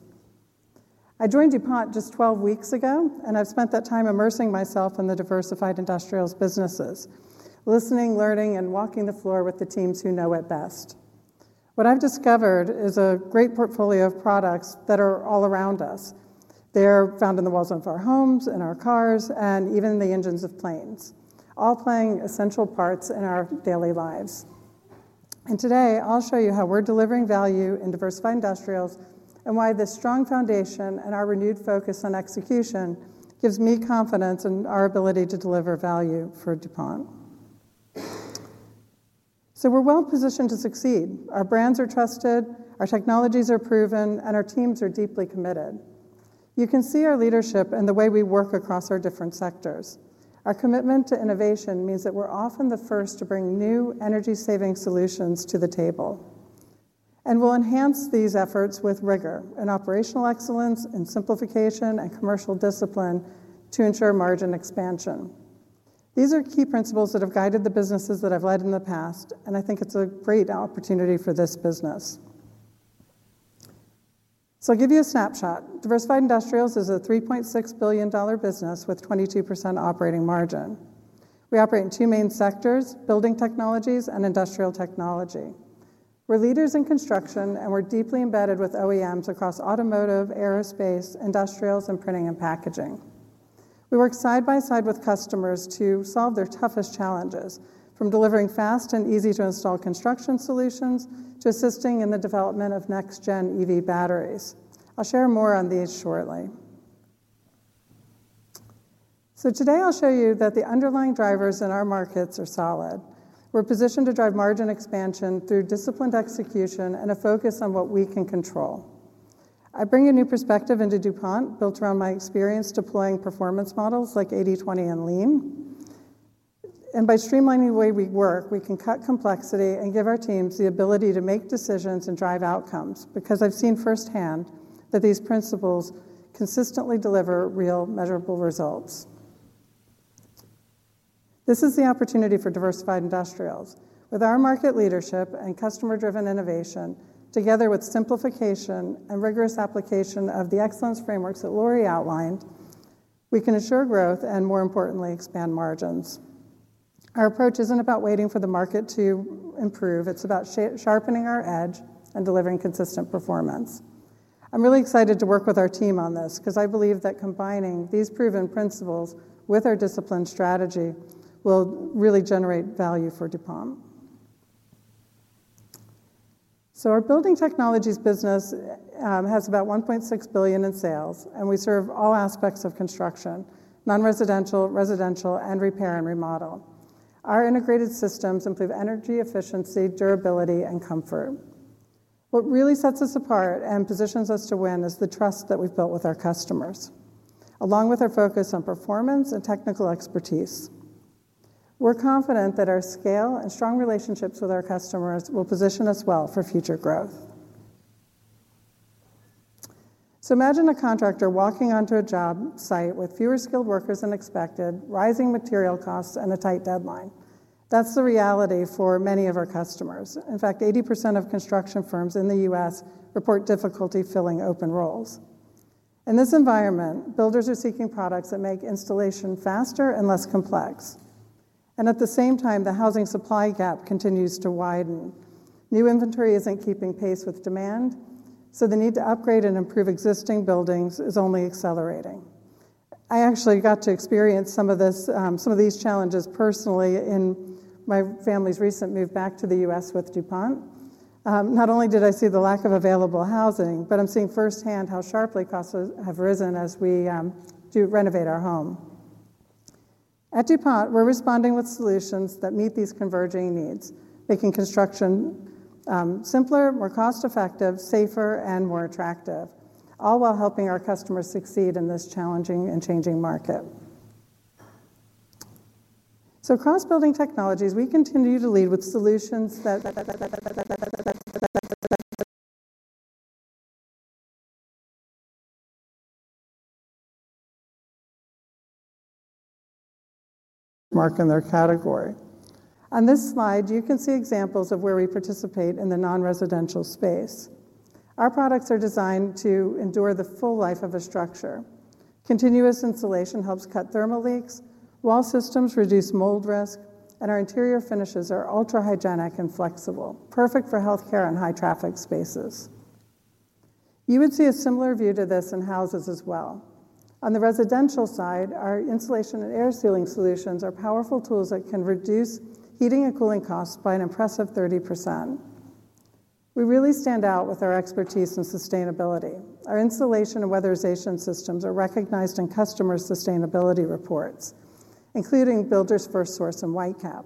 I joined DuPont just 12 weeks ago, and I've spent that time immersing myself in the Diversified Industrials businesses, listening, learning, and walking the floor with the teams who know it best. What I've discovered is a great portfolio of products that are all around us. They're found in the walls of our homes, in our cars, and even in the engines of planes, all playing essential parts in our daily lives. Today, I'll show you how we're delivering value in Diversified Industrials and why this strong foundation and our renewed focus on execution give me confidence in our ability to deliver value for DuPont. We're well positioned to succeed. Our brands are trusted, our technologies are proven, and our teams are deeply committed. You can see our leadership and the way we work across our different sectors. Our commitment to innovation means that we're often the first to bring new energy-saving solutions to the table. We'll enhance these efforts with rigor and operational excellence and simplification and commercial discipline to ensure margin expansion. These are key principles that have guided the businesses that I've led in the past, and I think it's a great opportunity for this business. I'll give you a snapshot. Diversified Industrials is a $3.6 billion business with 22% operating margin. We operate in two main sectors: building technologies and industrial technology. We're leaders in construction, and we're deeply embedded with OEMs across automotive, aerospace, industrials, and printing and packaging. We work side by side with customers to solve their toughest challenges, from delivering fast and easy-to-install construction solutions to assisting in the development of next-gen EV batteries. I'll share more on these shortly. Today, I'll show you that the underlying drivers in our markets are solid. We're positioned to drive margin expansion through disciplined execution and a focus on what we can control. I bring a new perspective into DuPont built around my experience deploying performance models like 80/20 and lean. By streamlining the way we work, we can cut complexity and give our teams the ability to make decisions and drive outcomes because I've seen firsthand that these principles consistently deliver real, measurable results. This is the opportunity for Diversified Industrials. With our market leadership and customer-driven innovation, together with simplification and rigorous application of the excellence frameworks that Lori outlined, we can ensure growth and, more importantly, expand margins. Our approach isn't about waiting for the market to improve; it's about sharpening our edge and delivering consistent performance. I'm really excited to work with our team on this because I believe that combining these proven principles with our disciplined strategy will really generate value for DuPont. Our building technologies business has about $1.6 billion in sales, and we serve all aspects of construction: non-residential, residential, and repair and remodel. Our integrated systems improve energy efficiency, durability, and comfort. What really sets us apart and positions us to win is the trust that we've built with our customers, along with our focus on performance and technical expertise. We're confident that our scale and strong relationships with our customers will position us well for future growth. Imagine a contractor walking onto a job site with fewer skilled workers than expected, rising material costs, and a tight deadline. That's the reality for many of our customers. In fact, 80% of construction firms in the U.S. report difficulty filling open roles. In this environment, builders are seeking products that make installation faster and less complex. At the same time, the housing supply gap continues to widen. New inventory isn't keeping pace with demand, so the need to upgrade and improve existing buildings is only accelerating. I actually got to experience some of these challenges personally in my family's recent move back to the U.S. with DuPont. Not only did I see the lack of available housing, but I'm seeing firsthand how sharply costs have risen as we renovate our home. At DuPont, we're responding with solutions that meet these converging needs, making construction simpler, more cost-effective, safer, and more attractive, all while helping our customers succeed in this challenging and changing market. Across building technologies, we continue to lead with solutions that mark in their category. On this slide, you can see examples of where we participate in the non-residential space. Our products are designed to endure the full life of a structure. Continuous installation helps cut thermal leaks, wall systems reduce mold risk, and our interior finishes are ultra-hygienic and flexible, perfect for healthcare and high-traffic spaces. You would see a similar view to this in houses as well. On the residential side, our insulation and air sealing solutions are powerful tools that can reduce heating and cooling costs by an impressive 30%. We really stand out with our expertise in sustainability. Our insulation and weatherization systems are recognized in customer sustainability reports, including Builders First Source and White Cap.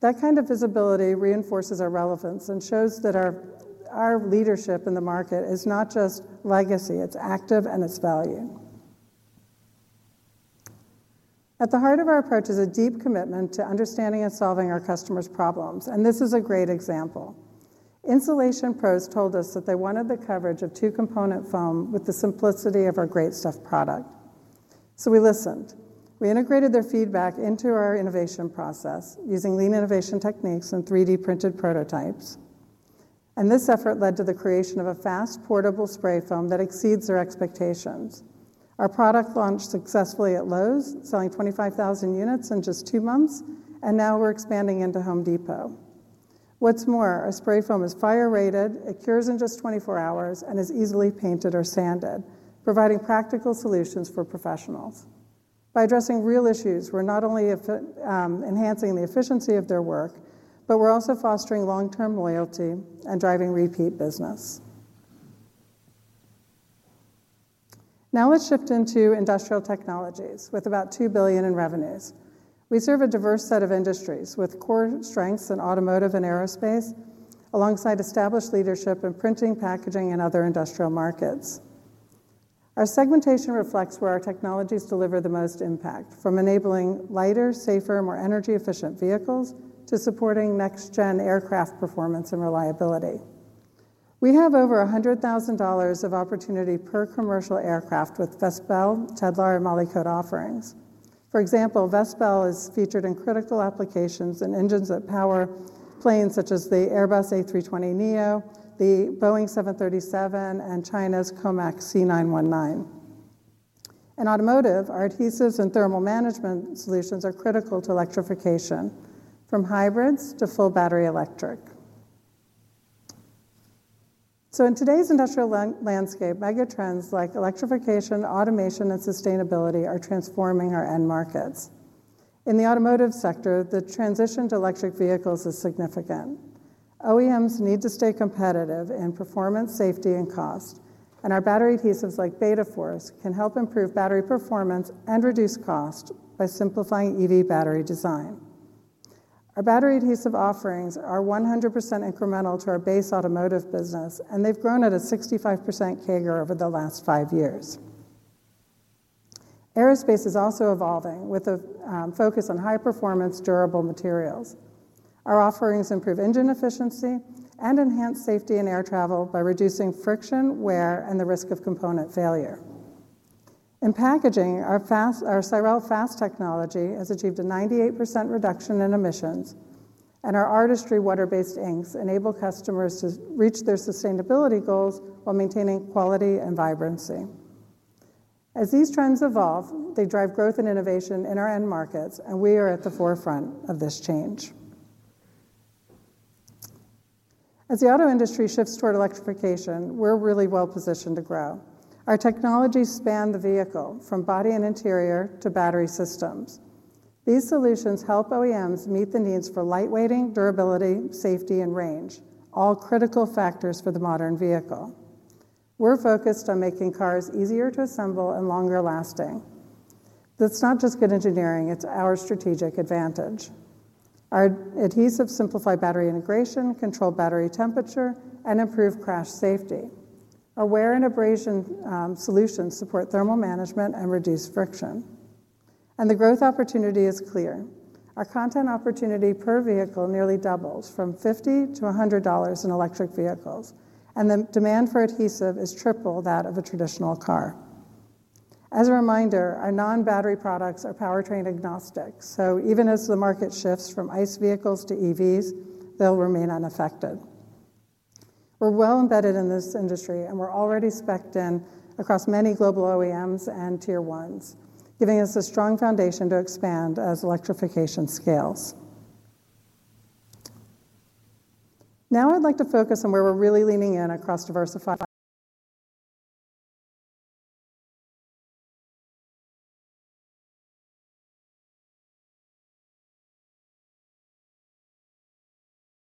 That kind of visibility reinforces our relevance and shows that our leadership in the market is not just legacy, it's active and it's valued. At the heart of our approach is a deep commitment to understanding and solving our customers' problems, and this is a great example. Insulation Pros told us that they wanted the coverage of two-component foam with the simplicity of our Great Stuff product. We listened. We integrated their feedback into our innovation process using lean innovation techniques and 3D-printed prototypes. This effort led to the creation of a fast, portable spray foam that exceeds their expectations. Our product launched successfully at Lowe's, selling 25,000 units in just two months, and now we're expanding into Home Depot. What's more, our spray foam is fire-rated, it cures in just 24 hours, and is easily painted or sanded, providing practical solutions for professionals. By addressing real issues, we're not only enhancing the efficiency of their work, but we're also fostering long-term loyalty and driving repeat business. Now let's shift into industrial technologies with about $2 billion in revenues. We serve a diverse set of industries with core strengths in automotive and aerospace, alongside established leadership in printing, packaging, and other industrial markets. Our segmentation reflects where our technologies deliver the most impact, from enabling lighter, safer, more energy-efficient vehicles to supporting next-gen aircraft performance and reliability. We have over $100,000 of opportunity per commercial aircraft with Vespel® parts & shapes, Tedlar, and MOLYKOTE® HP-300 Grease offerings. For example, Vespel® is featured in critical applications in engines that power planes such as the Airbus A320neo, the Boeing 737, and China's COMAC C919. In automotive, our adhesives and thermal management solutions are critical to electrification, from hybrids to full battery electric. In today's industrial landscape, megatrends like electrification, automation, and sustainability are transforming our end markets. In the automotive sector, the transition to electric vehicles is significant. OEMs need to stay competitive in performance, safety, and cost, and our battery adhesives like Betaforce can help improve battery performance and reduce cost by simplifying EV battery design. Our battery adhesive offerings are 100% incremental to our base automotive business, and they've grown at a 65% CAGR over the last five years. Aerospace is also evolving with a focus on high-performance, durable materials. Our offerings improve engine efficiency and enhance safety in air travel by reducing friction, wear, and the risk of component failure. In packaging, our Cyrel Fast technology has achieved a 98% reduction in emissions, and our Artistri water-based inks enable customers to reach their sustainability goals while maintaining quality and vibrancy. As these trends evolve, they drive growth and innovation in our end markets, and we are at the forefront of this change. As the auto industry shifts toward electrification, we're really well positioned to grow. Our technologies span the vehicle, from body and interior to battery systems. These solutions help OEMs meet the needs for lightweighting, durability, safety, and range, all critical factors for the modern vehicle. We're focused on making cars easier to assemble and longer lasting. That's not just good engineering; it's our strategic advantage. Our adhesives simplify battery integration, control battery temperature, and improve crash safety. Our wear and abrasion solutions support thermal management and reduce friction. The growth opportunity is clear. Our content opportunity per vehicle nearly doubles from $50-$100 in electric vehicles, and the demand for adhesive is triple that of a traditional car. As a reminder, our non-battery products are powertrain agnostic, so even as the market shifts from ICE vehicles to EVs, they'll remain unaffected. We're well embedded in this industry, and we're already specced in across many global OEMs and Tier 1s, giving us a strong foundation to expand as electrification scales. Now I'd like to focus on where we're really leaning in across Diversified.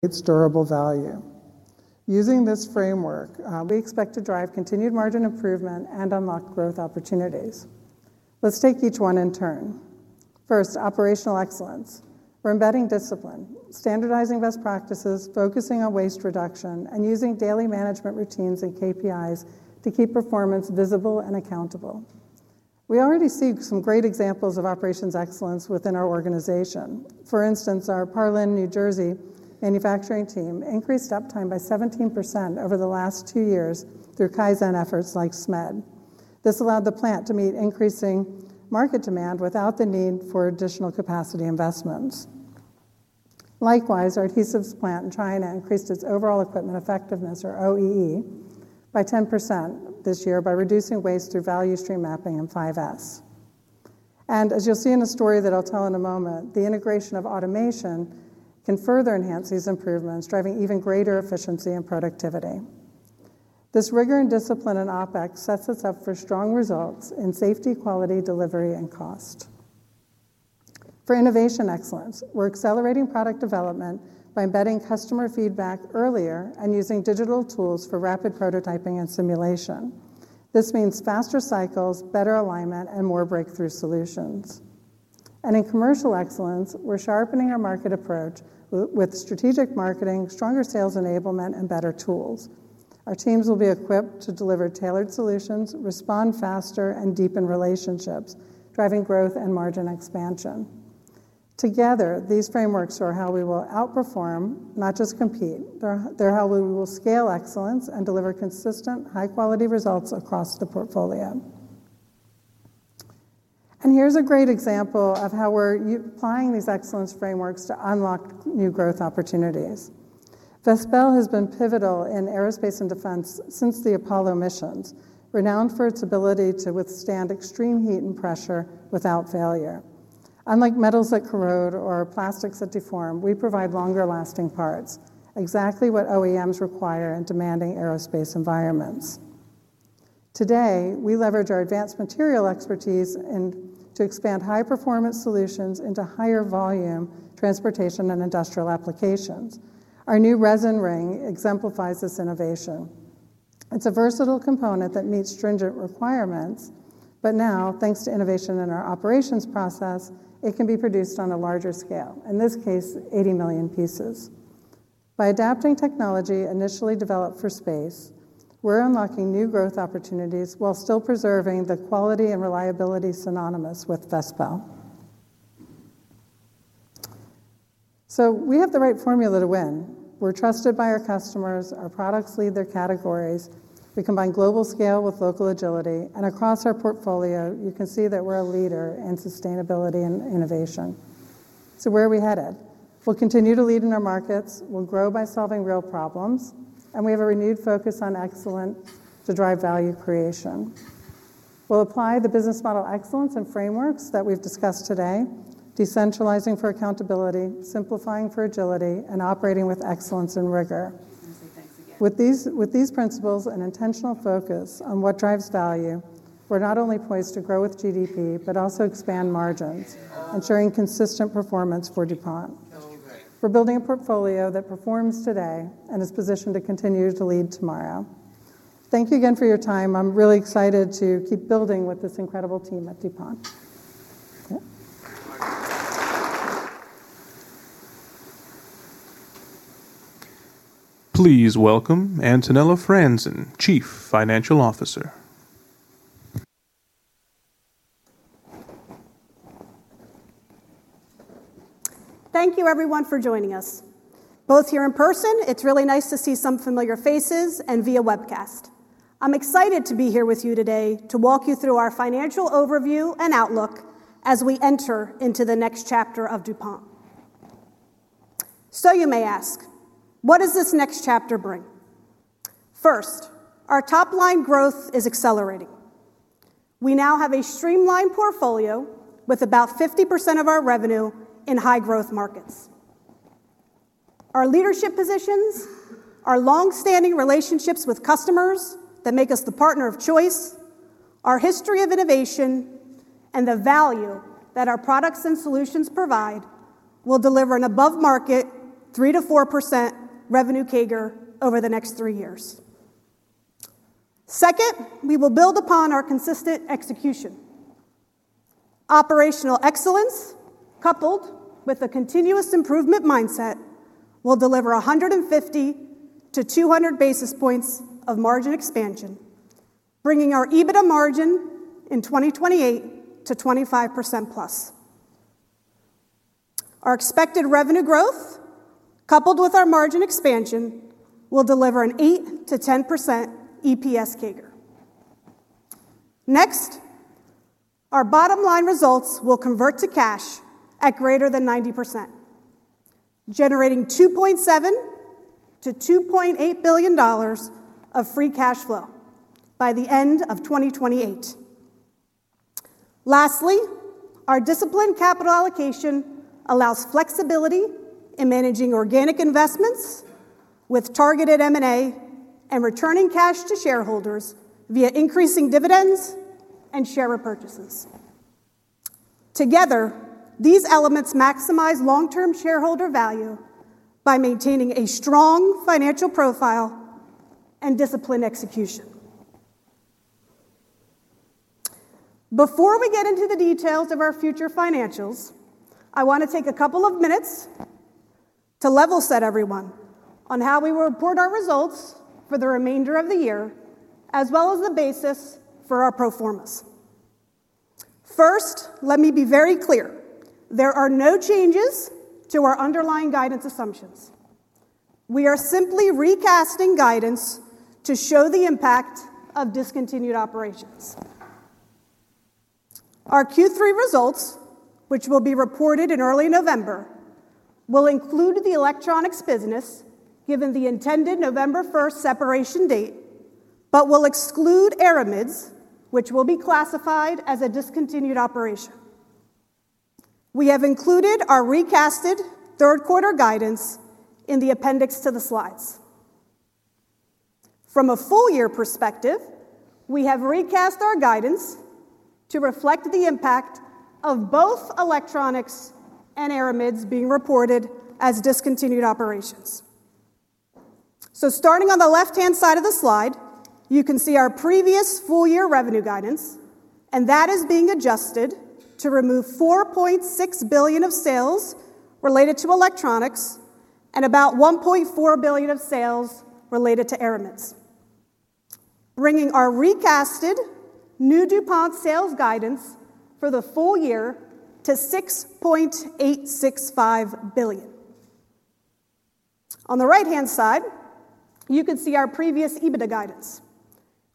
It's durable value. Using this framework, we expect to drive continued margin improvement and unlock growth opportunities. Let's take each one in turn. First, operational excellence. We're embedding discipline, standardizing best practices, focusing on waste reduction, and using daily management routines and KPIs to keep performance visible and accountable. We already see some great examples of operations excellence within our organization. For instance, our Parlin, New Jersey, manufacturing team increased uptime by 17% over the last two years through Kaizen efforts like SMED. This allowed the plant to meet increasing market demand without the need for additional capacity investments. Likewise, our adhesives plant in China increased its overall equipment effectiveness, or OEE, by 10% this year by reducing waste through value stream mapping and 5S. As you'll see in a story that I'll tell in a moment, the integration of automation can further enhance these improvements, driving even greater efficiency and productivity. This rigor and discipline in OpEx sets us up for strong results in safety, quality, delivery, and cost. For innovation excellence, we're accelerating product development by embedding customer feedback earlier and using digital tools for rapid prototyping and simulation. This means faster cycles, better alignment, and more breakthrough solutions. In commercial excellence, we're sharpening our market approach with strategic marketing, stronger sales enablement, and better tools. Our teams will be equipped to deliver tailored solutions, respond faster, and deepen relationships, driving growth and margin expansion. Together, these frameworks are how we will outperform, not just compete. They're how we will scale excellence and deliver consistent, high-quality results across the portfolio. Here's a great example of how we're applying these excellence frameworks to unlock new growth opportunities. Vespel® has been pivotal in aerospace and defense since the Apollo missions, renowned for its ability to withstand extreme heat and pressure without failure. Unlike metals that corrode or plastics that deform, we provide longer-lasting parts, exactly what OEMs require in demanding aerospace environments. Today, we leverage our advanced material expertise to expand high-performance solutions into higher volume transportation and industrial applications. Our new resin ring exemplifies this innovation. It's a versatile component that meets stringent requirements, but now, thanks to innovation in our operations process, it can be produced on a larger scale, in this case, 80 million pieces. By adapting technology initially developed for space, we're unlocking new growth opportunities while still preserving the quality and reliability synonymous with Vespel®. We have the right formula to win. We're trusted by our customers. Our products lead their categories. They combine global scale with local agility. Across our portfolio, you can see that we're a leader in sustainability and innovation. Where are we headed? We'll continue to lead in our markets. We'll grow by solving real problems. We have a renewed focus on excellence to drive value creation. We'll apply the business model excellence and frameworks that we've discussed today, decentralizing for accountability, simplifying for agility, and operating with excellence and rigor. With these principles and intentional focus on what drives value, we're not only poised to grow with GDP, but also expand margins, ensuring consistent performance for DuPont. We're building a portfolio that performs today and is positioned to continue to lead tomorrow. Thank you again for your time. I'm really excited to keep building with this incredible team at DuPont. Please welcome Antonella Franzen, Chief Financial Officer. Thank you, everyone, for joining us. Both here in person, it's really nice to see some familiar faces and via webcast. I'm excited to be here with you today to walk you through our financial overview and outlook as we enter into the next chapter of DuPont. You may ask, what does this next chapter bring? First, our top line growth is accelerating. We now have a streamlined portfolio with about 50% of our revenue in high-growth markets. Our leadership positions, our longstanding relationships with customers that make us the partner of choice, our history of innovation, and the value that our products and solutions provide will deliver an above-market 3%-4% revenue CAGR over the next three years. Second, we will build upon our consistent execution. Operational excellence, coupled with a continuous improvement mindset, will deliver 150-200 basis points of margin expansion, bringing our EBITDA margin in 2028 to 25% plus. Our expected revenue growth, coupled with our margin expansion, will deliver an 8%-10% EPS CAGR. Next, our bottom line results will convert to cash at greater than 90%, generating $2.7 billion-$2.8 billion of free cash flow by the end of 2028. Lastly, our disciplined capital allocation allows flexibility in managing organic investments with targeted M&A and returning cash to shareholders via increasing dividends and share repurchases. Together, these elements maximize long-term shareholder value by maintaining a strong financial profile and disciplined execution. Before we get into the details of our future financials, I want to take a couple of minutes to level set everyone on how we will report our results for the remainder of the year, as well as the basis for our pro formas. First, let me be very clear. There are no changes to our underlying guidance assumptions. We are simply recasting guidance to show the impact of discontinued operations. Our Q3 results, which will be reported in early November, will include. The Electronics business, given the intended November 1 separation date, but will exclude Aramids, which will be classified as a discontinued operation. We have included our recasted third-quarter guidance in the appendix to the slides. From a full-year perspective, we have recast our guidance to reflect the impact of both electronics and Aramids being reported as discontinued operations. Starting on the left-hand side of the slide, you can see our previous full-year revenue guidance, and that is being adjusted to remove $4.6 billion of sales related to electronics and about $1.4 billion of sales related to Aramids, bringing our recasted new DuPont sales guidance for the full year to $6.865 billion. On the right-hand side, you can see our previous EBITDA guidance,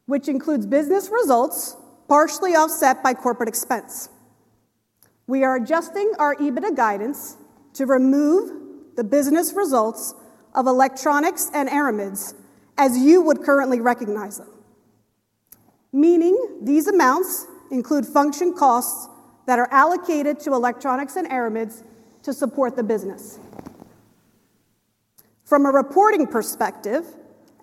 which includes business results partially offset by corporate expense. We are adjusting our EBITDA guidance to remove the business results of electronics and Aramids as you would currently recognize them, meaning these amounts include function costs that are allocated to electronics and Aramids to support the business. From a reporting perspective,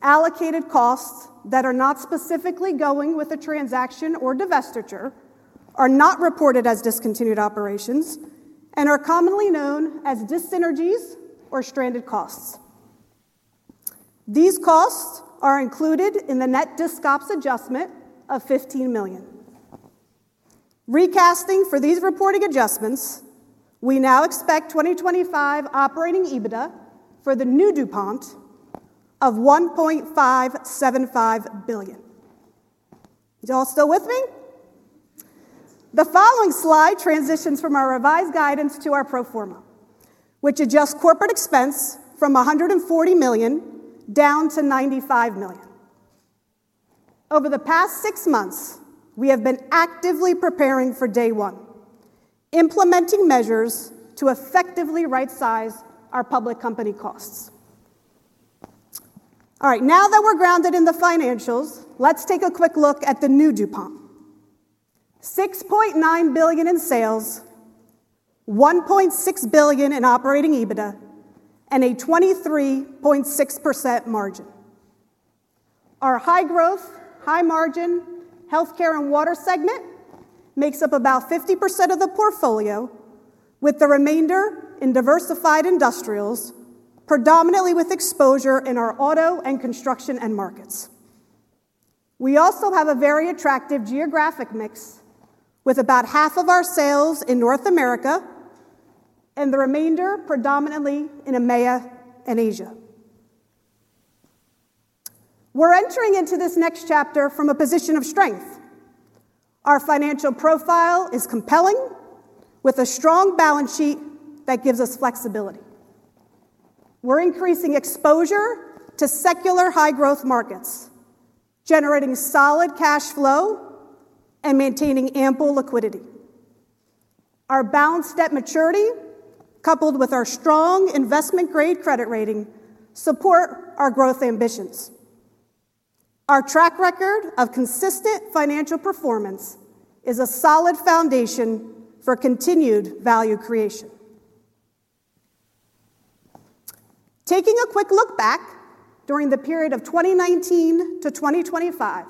allocated costs that are not specifically going with a transaction or divestiture are not reported as discontinued operations and are commonly known as dis-synergies or stranded costs. These costs are included in the net [dis-COPS] adjustment of $15 million. Recasting for these reporting adjustments, we now expect 2025 operating EBITDA for the new DuPont of $1.575 billion. You all still with me? The following slide transitions from our revised guidance to our pro forma, which adjusts corporate expense from $140 million down to $95 million. Over the past six months, we have been actively preparing for day one, implementing measures to effectively right-size our public company costs. All right, now that we're grounded in the financials, let's take a quick look at the new DuPont: $6.9 billion in sales, $1.6 billion in operating EBITDA, and a 23.6% margin. Our high growth, high margin healthcare and water segment makes up about 50% of the portfolio, with the remainder in diversified industrials, predominantly with exposure in our auto and construction markets. We also have a very attractive geographic mix with about half of our sales in North America and the remainder predominantly in EMEA and Asia. We're entering into this next chapter from a position of strength. Our financial profile is compelling, with a strong balance sheet that gives us flexibility. We're increasing exposure to secular high-growth markets, generating solid cash flow, and maintaining ample liquidity. Our balanced debt maturity, coupled with our strong investment-grade credit rating, supports our growth ambitions. Our track record of consistent financials for continued value creation. Taking a quick look back during the period of 2019 to 2025,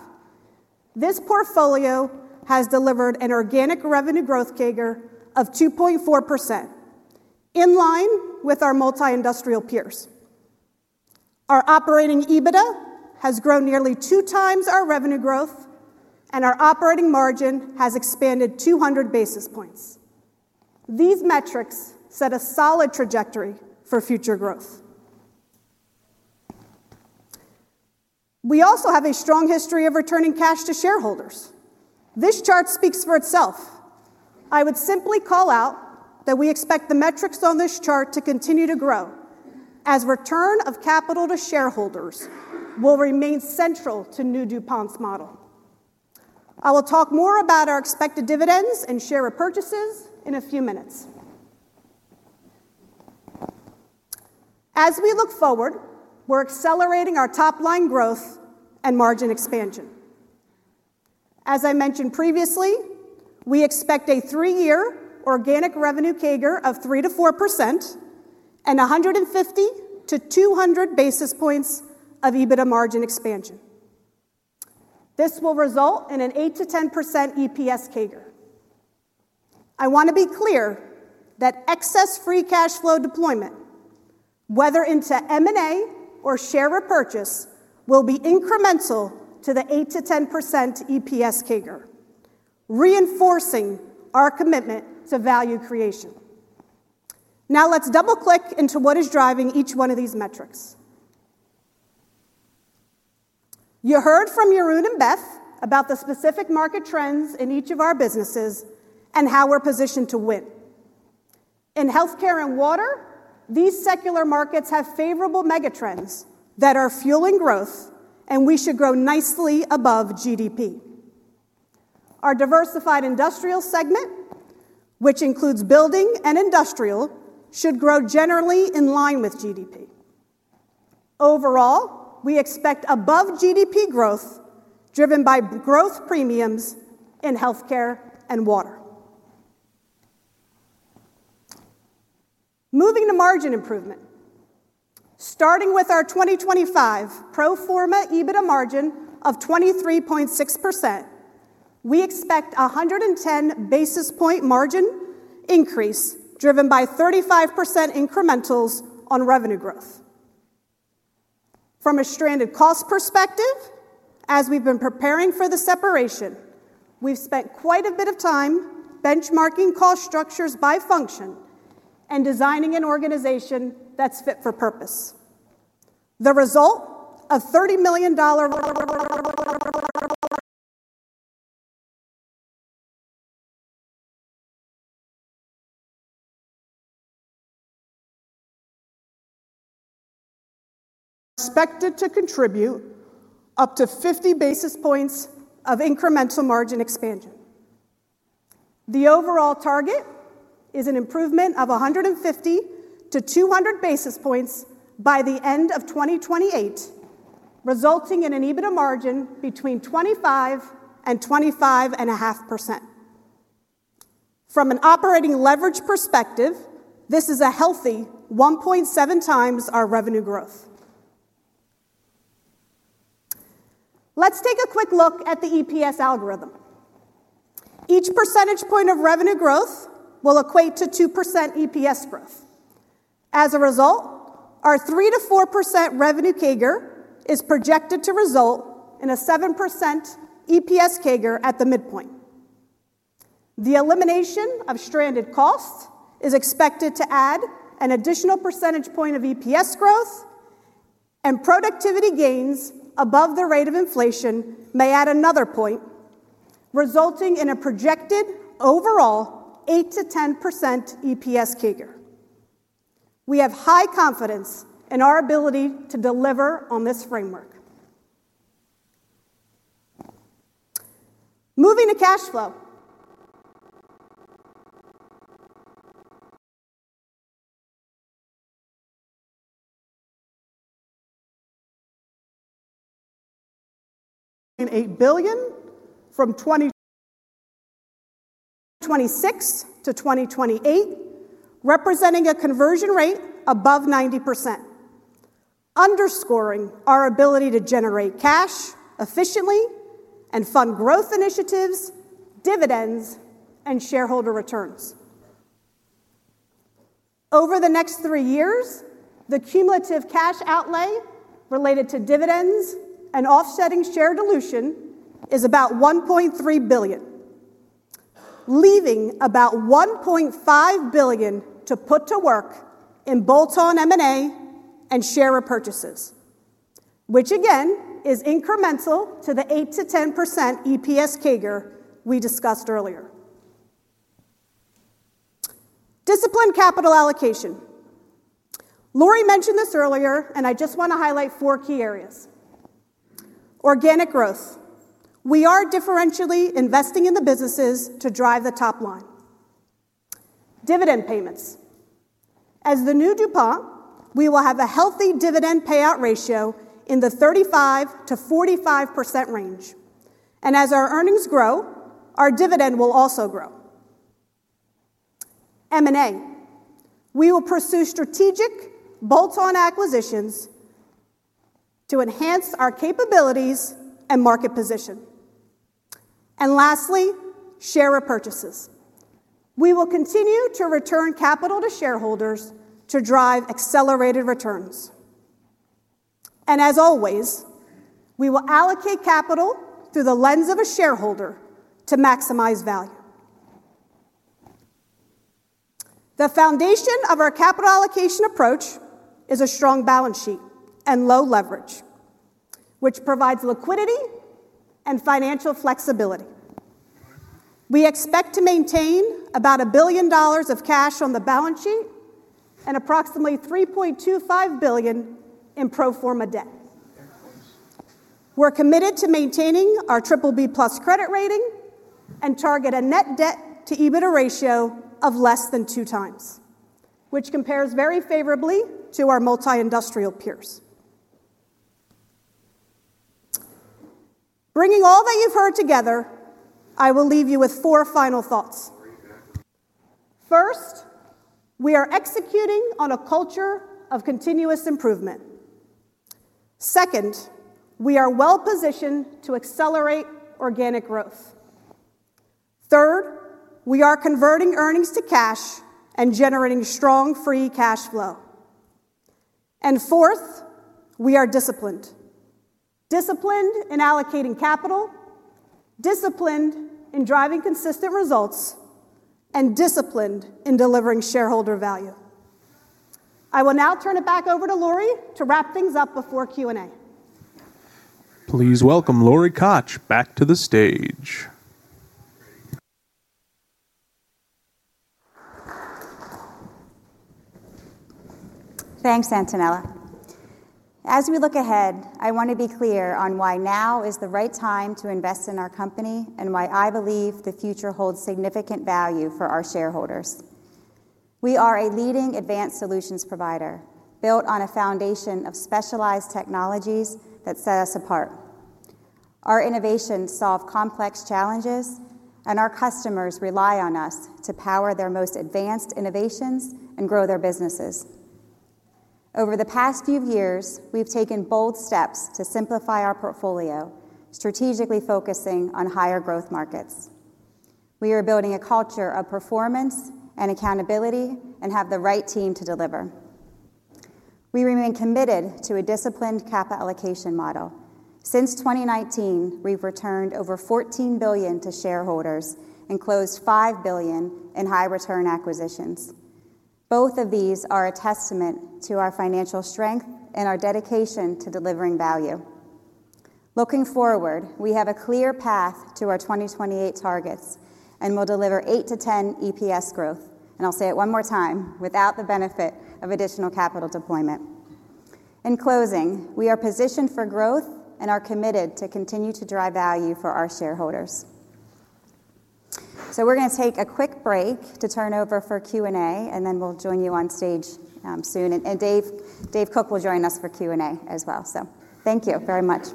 this portfolio has delivered an organic revenue growth CAGR of 2.4%, in line with our multi-industrial peers. Our operating EBITDA has grown nearly two times our revenue growth, and our operating margin has expanded 200 basis points. These metrics set a solid trajectory for future growth. We also have a strong history of returning cash to shareholders. This chart speaks for itself. I would simply call out that we expect the metrics on this chart to continue to grow, as return of capital to shareholders will remain central to new DuPont's model. I will talk more about our expected dividends and share repurchases in a few minutes. As we look forward, we're accelerating our top-line growth and margin expansion. As I mentioned previously, we expect a three-year organic revenue CAGR of 3%-4% and 150-200 basis points of EBITDA margin expansion. This will result in an 8%-10% EPS CAGR. I want to be clear that excess free cash flow deployment, whether into M&A or share repurchase, will be incremental to the 8% to 10% EPS CAGR, reinforcing our commitment to value creation. Now, let's double-click into what is driving each one of these metrics. You heard from Jeroen and Beth Ferreira about the specific market trends in each of our businesses and how we're positioned to win. In healthcare and water, these secular markets have favorable megatrends that are fueling growth, and we should grow nicely above GDP. Our diversified industrial segment, which includes building and industrial, should grow generally in line with GDP. Overall, we expect above GDP growth, driven by growth premiums in healthcare and water. Moving to margin improvement, starting with our 2025 pro forma EBITDA margin of 23.6%, we expect a 110 basis point margin increase, driven by 35% incrementals on revenue growth. From a stranded cost perspective, as we've been preparing for the separation, we've spent quite a bit of time benchmarking cost structures by function and designing an organization that's fit for purpose. The result of $30 million expected to contribute up to 50 basis points of incremental margin expansion. The overall target is an improvement of 150-200 basis points by the end of 2028, resulting in an EBITDA margin between 25% and 25.5%. From an operating leverage perspective, this is a healthy 1.7 times our revenue growth. Let's take a quick look at the EPS algorithm. Each percentage point of revenue growth will equate to 2% EPS growth. As a result, our 3%-4% revenue CAGR is projected to result in a 7% EPS CAGR at the midpoint. The elimination of stranded costs is expected to add an additional percentage point of EPS growth, and productivity gains above the rate of inflation may add another point, resulting in a projected overall 8%-10% EPS CAGR. We have high confidence in our ability to deliver on this framework. Moving to cash flow, $8 billion from 2026 to 2028, representing a conversion rate above 90%, underscores our ability to generate cash efficiently and fund growth initiatives, dividends, and shareholder returns. Over the next three years, the cumulative cash outlay related to dividends and offsetting share dilution is about $1.3 billion, leaving about $1.5 billion to put to work in bolt-on M&A and share repurchases, which again is incremental to the 8%-10% EPS CAGR we discussed earlier. Disciplined capital allocation. Lori mentioned this earlier, and I just want to highlight four key areas: organic growth. We are differentially investing in the businesses to drive the top line. Dividend payments. As the new DuPont, we will have a healthy dividend payout ratio in the 35%-45% range, and as our earnings grow, our dividend will also grow. M&A. We will pursue strategic bolt-on acquisitions to enhance our capabilities and market position. Lastly, share repurchases. We will continue to return capital to shareholders to drive accelerated returns. As always, we will allocate capital through the lens of a shareholder to maximize value. The foundation of our capital allocation approach is a strong balance sheet and low leverage, which provides liquidity and financial flexibility. We expect to maintain about $1 billion of cash on the balance sheet and approximately $3.25 billion in pro forma debt. We're committed to maintaining our BBB+ credit rating and target a net debt-to-EBITDA ratio of less than two times, which compares very favorably to our multi-industrial peers. Bringing all that you've heard together, I will leave you with four final thoughts. First, we are executing on a culture of continuous improvement. Second, we are well-positioned to accelerate organic growth. Third, we are converting earnings to cash and generating strong free cash flow. Fourth, we are disciplined. Disciplined in allocating capital, disciplined in driving consistent results, and disciplined in delivering shareholder value. I will now turn it back over to Lori to wrap things up before Q&A. Please welcome Lori Koch back to the stage. Thanks, Antonella. As we look ahead, I want to be clear on why now is the right time to invest in our company and why I believe the future holds significant value for our shareholders. We are a leading advanced solutions provider built on a foundation of specialized technologies that set us apart. Our innovations solve complex challenges, and our customers rely on us to power their most advanced innovations and grow their businesses. Over the past few years, we've taken bold steps to simplify our portfolio, strategically focusing on higher growth markets. We are building a culture of performance and accountability and have the right team to deliver. We remain committed to a disciplined capital allocation model. Since 2019, we've returned over $14 billion to shareholders and closed $5 billion in high-return acquisitions. Both of these are a testament to our financial strength and our dedication to delivering value. Looking forward, we have a clear path to our 2028 targets and will deliver 8%-10% EPS growth, and I'll say it one more time, without the benefit of additional capital deployment. In closing, we are positioned for growth and are committed to continue to drive value for our shareholders. We are going to take a quick break to turn over for Q&A, and then we'll join you on stage soon. Dave Koch will join us for Q&A as well. Thank you very much.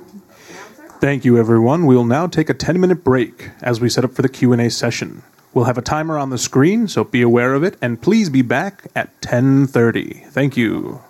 Thank you, everyone. We'll now take a 10-minute break as we set up for the Q&A session. We'll have a timer on the screen, so be aware of it, and please be back at 10:30 A.M. Thank you.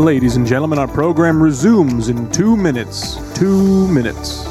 Ladies and gentlemen, our program resumes in two minutes. Two minutes.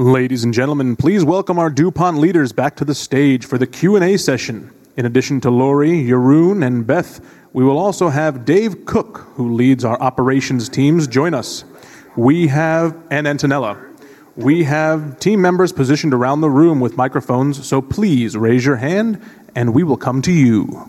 Is that already out there? No, it's fine. Ladies and gentlemen, please welcome our DuPont leaders back to the stage for the Q&A session. In addition to Lori, Jeroen, and Beth Ferreira, we will also have Dave Koch, who leads our Operations teams, join us. We have Antonella Franzen. We have team members positioned around the room with microphones, so please raise your hand and we will come to you.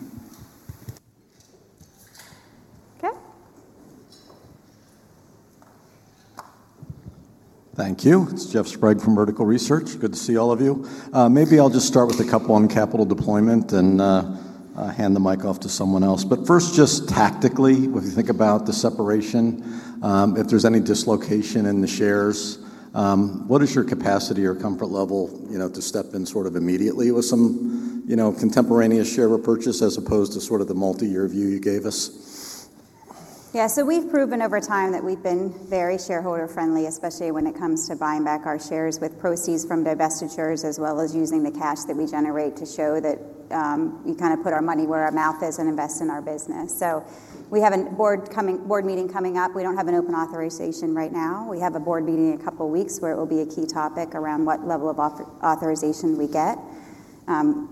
Thank you. It's Jeff Sprague from Vertical Research. Good to see all of you. Maybe I'll just start with a couple on capital deployment and hand the mic off to someone else. First, just tactically, if you think about the separation, if there's any dislocation in the shares, what is your capacity or comfort level to step in immediately with some contemporaneous share repurchase as opposed to the multi-year view you gave us? Yeah, we've proven over time that we've been very shareholder-friendly, especially when it comes to buying back our shares with proceeds from divestitures as well as using the cash that we generate to show that we put our money where our mouth is and invest in our business. We have a board meeting coming up. We don't have an open authorization right now. We have a board meeting in a couple of weeks where it will be a key topic around what level of authorization we get.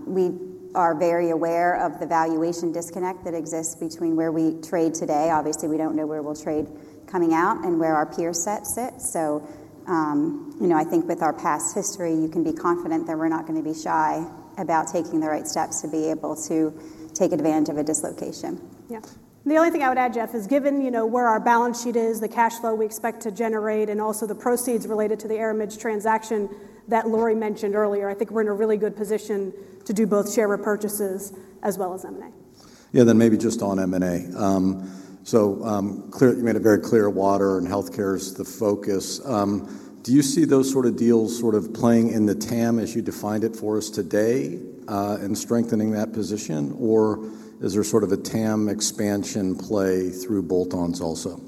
We are very aware of the valuation disconnect that exists between where we trade today. Obviously, we don't know where we'll trade coming out and where our peer sets sit. I think with our past history, you can be confident that we're not going to be shy about taking the right steps to be able to take advantage of a dislocation. Yeah. The only thing I would add, Jeff, is given, you know, where our balance sheet is, the cash flow we expect to generate, and also the proceeds related to the Aramids transaction that Lori mentioned earlier, I think we're in a really good position to do both share repurchases as well as M&A. Maybe just on M&A. Clearly, you made it very clear water and healthcare is the focus. Do you see those sort of deals playing in the TAM as you defined it for us today and strengthening that position, or is there a TAM expansion play through bolt-ons also?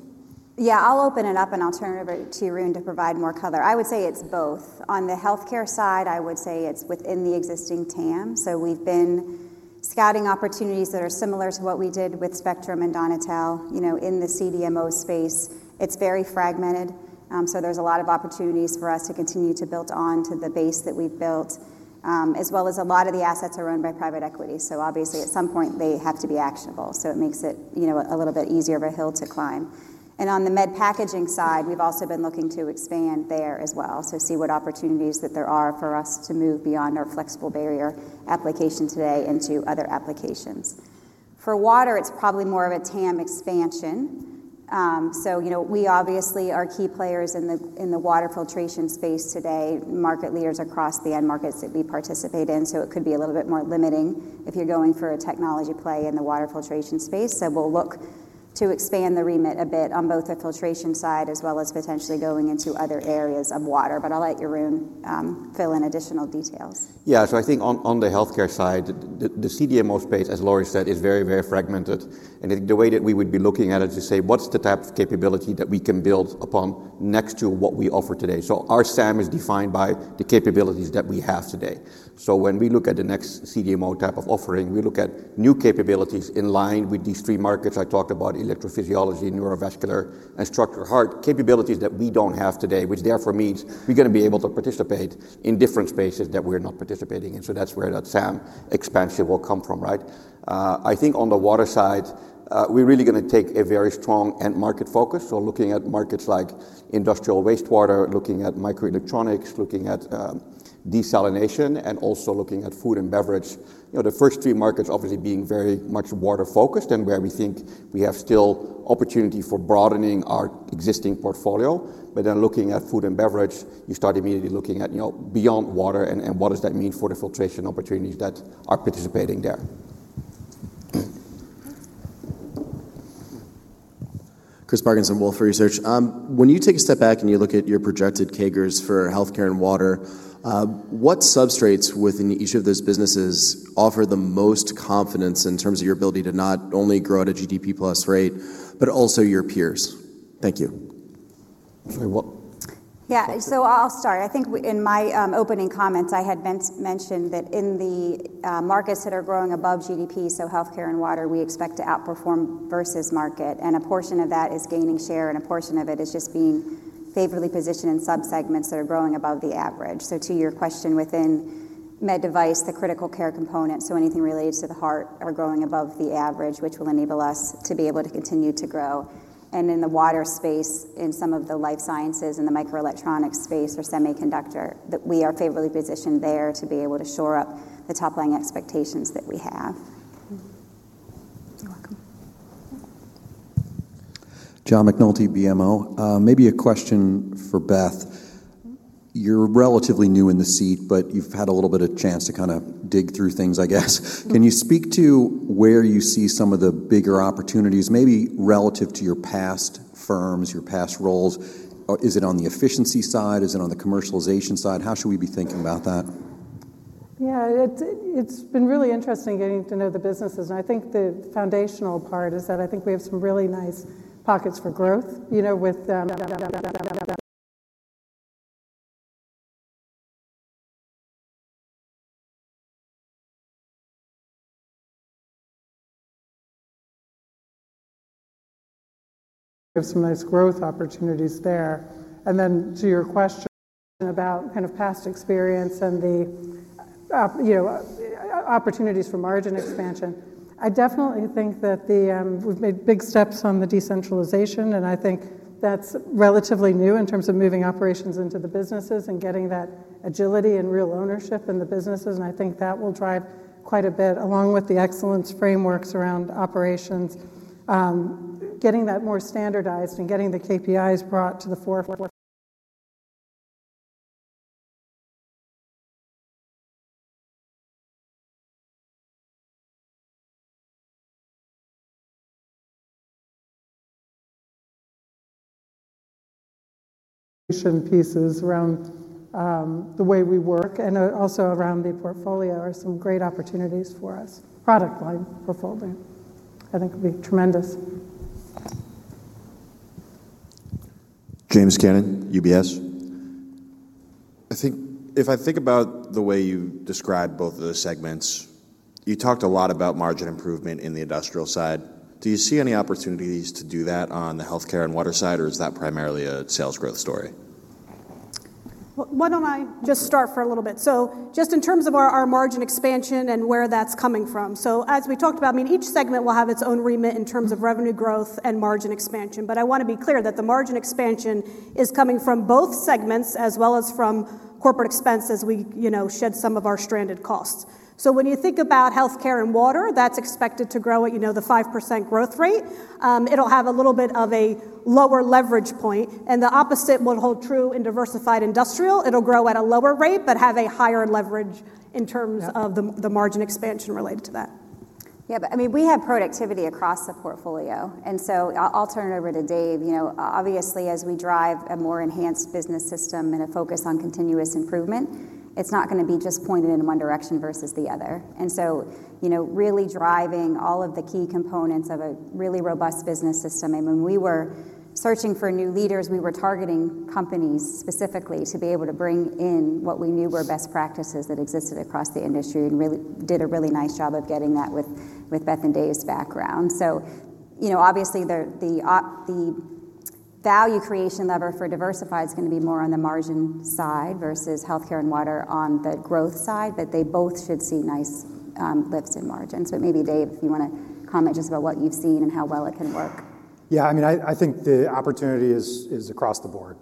Yeah, I'll open it up and I'll turn it over to Jeroen to provide more color. I would say it's both. On the healthcare side, I would say it's within the existing TAM. We've been scouting opportunities that are similar to what we did with Spectrum and Donatelle, you know, in the CDMO space. It's very fragmented. There are a lot of opportunities for us to continue to build on to the base that we've built, as well as a lot of the assets are owned by private equity. Obviously, at some point, they have to be actionable. It makes it a little bit easier of a hill to climb. On the med packaging side, we've also been looking to expand there as well to see what opportunities that there are for us to move beyond our flexible barrier application today into other applications. For water, it's probably more of a TAM expansion. We obviously are key players in the water filtration space today, market leaders across the end markets that we participate in. It could be a little bit more limiting if you're going for a technology play in the water filtration space. We'll look to expand the remit a bit on both the filtration side as well as potentially going into other areas of water. I'll let Jeroen fill in additional details. Yeah, I think on the healthcare side, the CDMO space, as Lori said, is very, very fragmented. The way that we would be looking at it is to say, what's the type of capability that we can build upon next to what we offer today? Our SAM is defined by the capabilities that we have today. When we look at the next CDMO type of offering, we look at new capabilities in line with these three markets I talked about: electrophysiology, neurovascular, and structural heart. Capabilities that we don't have today, which therefore means we're going to be able to participate in different spaces that we're not participating in. That's where that SAM expansion will come from, right? I think on the water side, we're really going to take a very strong end market focus. Looking at markets like industrial wastewater, microelectronics, desalination, and also food and beverage. The first three markets obviously being very much water-focused and where we think we have still opportunity for broadening our existing portfolio. Then looking at food and beverage, you start immediately looking at, you know, beyond water. What does that mean for the filtration opportunities that are participating there? When you take a step back and you look at your projected CAGRs for healthcare and water, what substrates within each of those businesses offer the most confidence in terms of your ability to not only grow at a GDP plus rate, but also your peers? Thank you. Yeah, so I'll start. I think in my opening comments, I had mentioned that in the markets that are growing above GDP, such as healthcare and water, we expect to outperform versus market. A portion of that is gaining share and a portion of it is just being favorably positioned in subsegments that are growing above the average. To your question within med device, the critical care component, anything related to the heart, is growing above the average, which will enable us to be able to continue to grow. In the water space, in some of the life sciences and the microelectronics space or semiconductor, we are favorably positioned there to be able to shore up the top-line expectations that we have. Maybe a question for Beth. You're relatively new in the seat, but you've had a little bit of a chance to kind of dig through things, I guess. Can you speak to where you see some of the bigger opportunities, maybe relative to your past firms, your past roles? Is it on the efficiency side? Is it on the commercialization side? How should we be thinking about that? Yeah, it's been really interesting getting to know the businesses. I think the foundational part is that I think we have some really nice pockets for growth, you know, with some nice growth opportunities there. To your question about kind of past experience and the, you know, opportunities for margin expansion, I definitely think that we've made big steps on the decentralization. I think that's relatively new in terms of moving operations into the businesses and getting that agility and real ownership in the businesses. I think that will drive quite a bit, along with the excellence frameworks around operations, getting that more standardized and getting the KPIs brought to the forefront. Pieces around the way we work and also around the portfolio are some great opportunities for us. Product line fulfillment, I think, would be tremendous. I think if I think about the way you describe both of those segments, you talked a lot about margin improvement in the industrial side. Do you see any opportunities to do that on the healthcare and water side, or is that primarily a sales growth story? Why don't I just start for a little bit? In terms of our margin expansion and where that's coming from, as we talked about, each segment will have its own remit in terms of revenue growth and margin expansion. I want to be clear that the margin expansion is coming from both segments as well as from corporate expense as we shed some of our stranded costs. When you think about Healthcare and Water, that's expected to grow at the 5% growth rate. It'll have a little bit of a lower leverage point, and the opposite will hold true in Diversified Industrials. It'll grow at a lower rate but have a higher leverage in terms of the margin expansion related to that. Yeah, but I mean, we have productivity across the portfolio. I'll turn it over to Dave. Obviously, as we drive a more enhanced business system and a focus on continuous improvement, it's not going to be just pointed in one direction versus the other. Really driving all of the key components of a really robust business system. When we were searching for new leaders, we were targeting companies specifically to be able to bring in what we knew were best practices that existed across the industry and really did a really nice job of getting that with Beth Ferreira and Dave's background. Obviously, the value creation lever for Diversified Industrials is going to be more on the margin side versus Healthcare and Water on the growth side. They both should see nice lifts in margins. Maybe Dave, if you want to comment just about what you've seen and how well it can work. Yeah, I mean, I think the opportunity is across the board.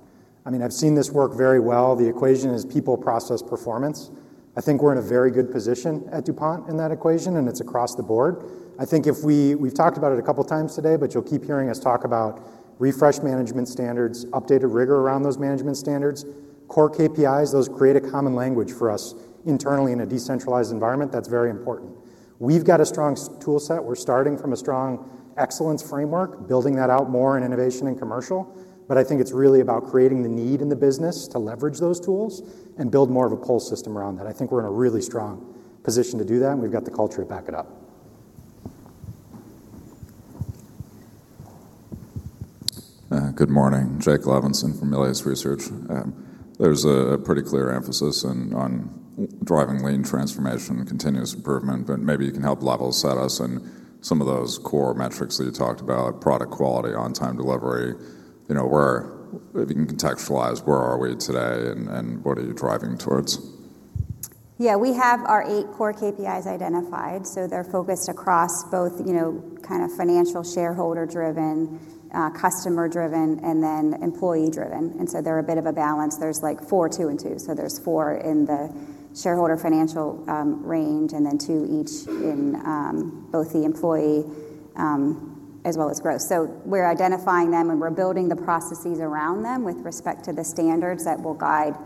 I mean, I've seen this work very well. The equation is people, process, performance. I think we're in a very good position at DuPont in that equation, and it's across the board. I think we've talked about it a couple of times today, but you'll keep hearing us talk about refresh management standards, updated rigor around those management standards, core KPIs. Those create a common language for us internally in a decentralized environment. That's very important. We've got a strong toolset. We're starting from a strong excellence framework, building that out more in innovation and commercial. I think it's really about creating the need in the business to leverage those tools and build more of a pull system around that. I think we're in a really strong position to do that, and we've got the culture to back it up. Good morning. Jake Levinson from Melius Research. There's a pretty clear emphasis on driving lean transformation and continuous improvement, but maybe you can help level set us in some of those core metrics that you talked about: product quality, on-time delivery. If you can contextualize, where are we today and what are you driving towards? Yeah, we have our eight core KPIs identified. They're focused across both, you know, kind of financial, shareholder-driven, customer-driven, and then employee-driven. They're a bit of a balance. There's like four, two, and two. There's four in the shareholder financial range and then two each in both the employee as well as growth. We're identifying them and we're building the processes around them with respect to the standards that will guide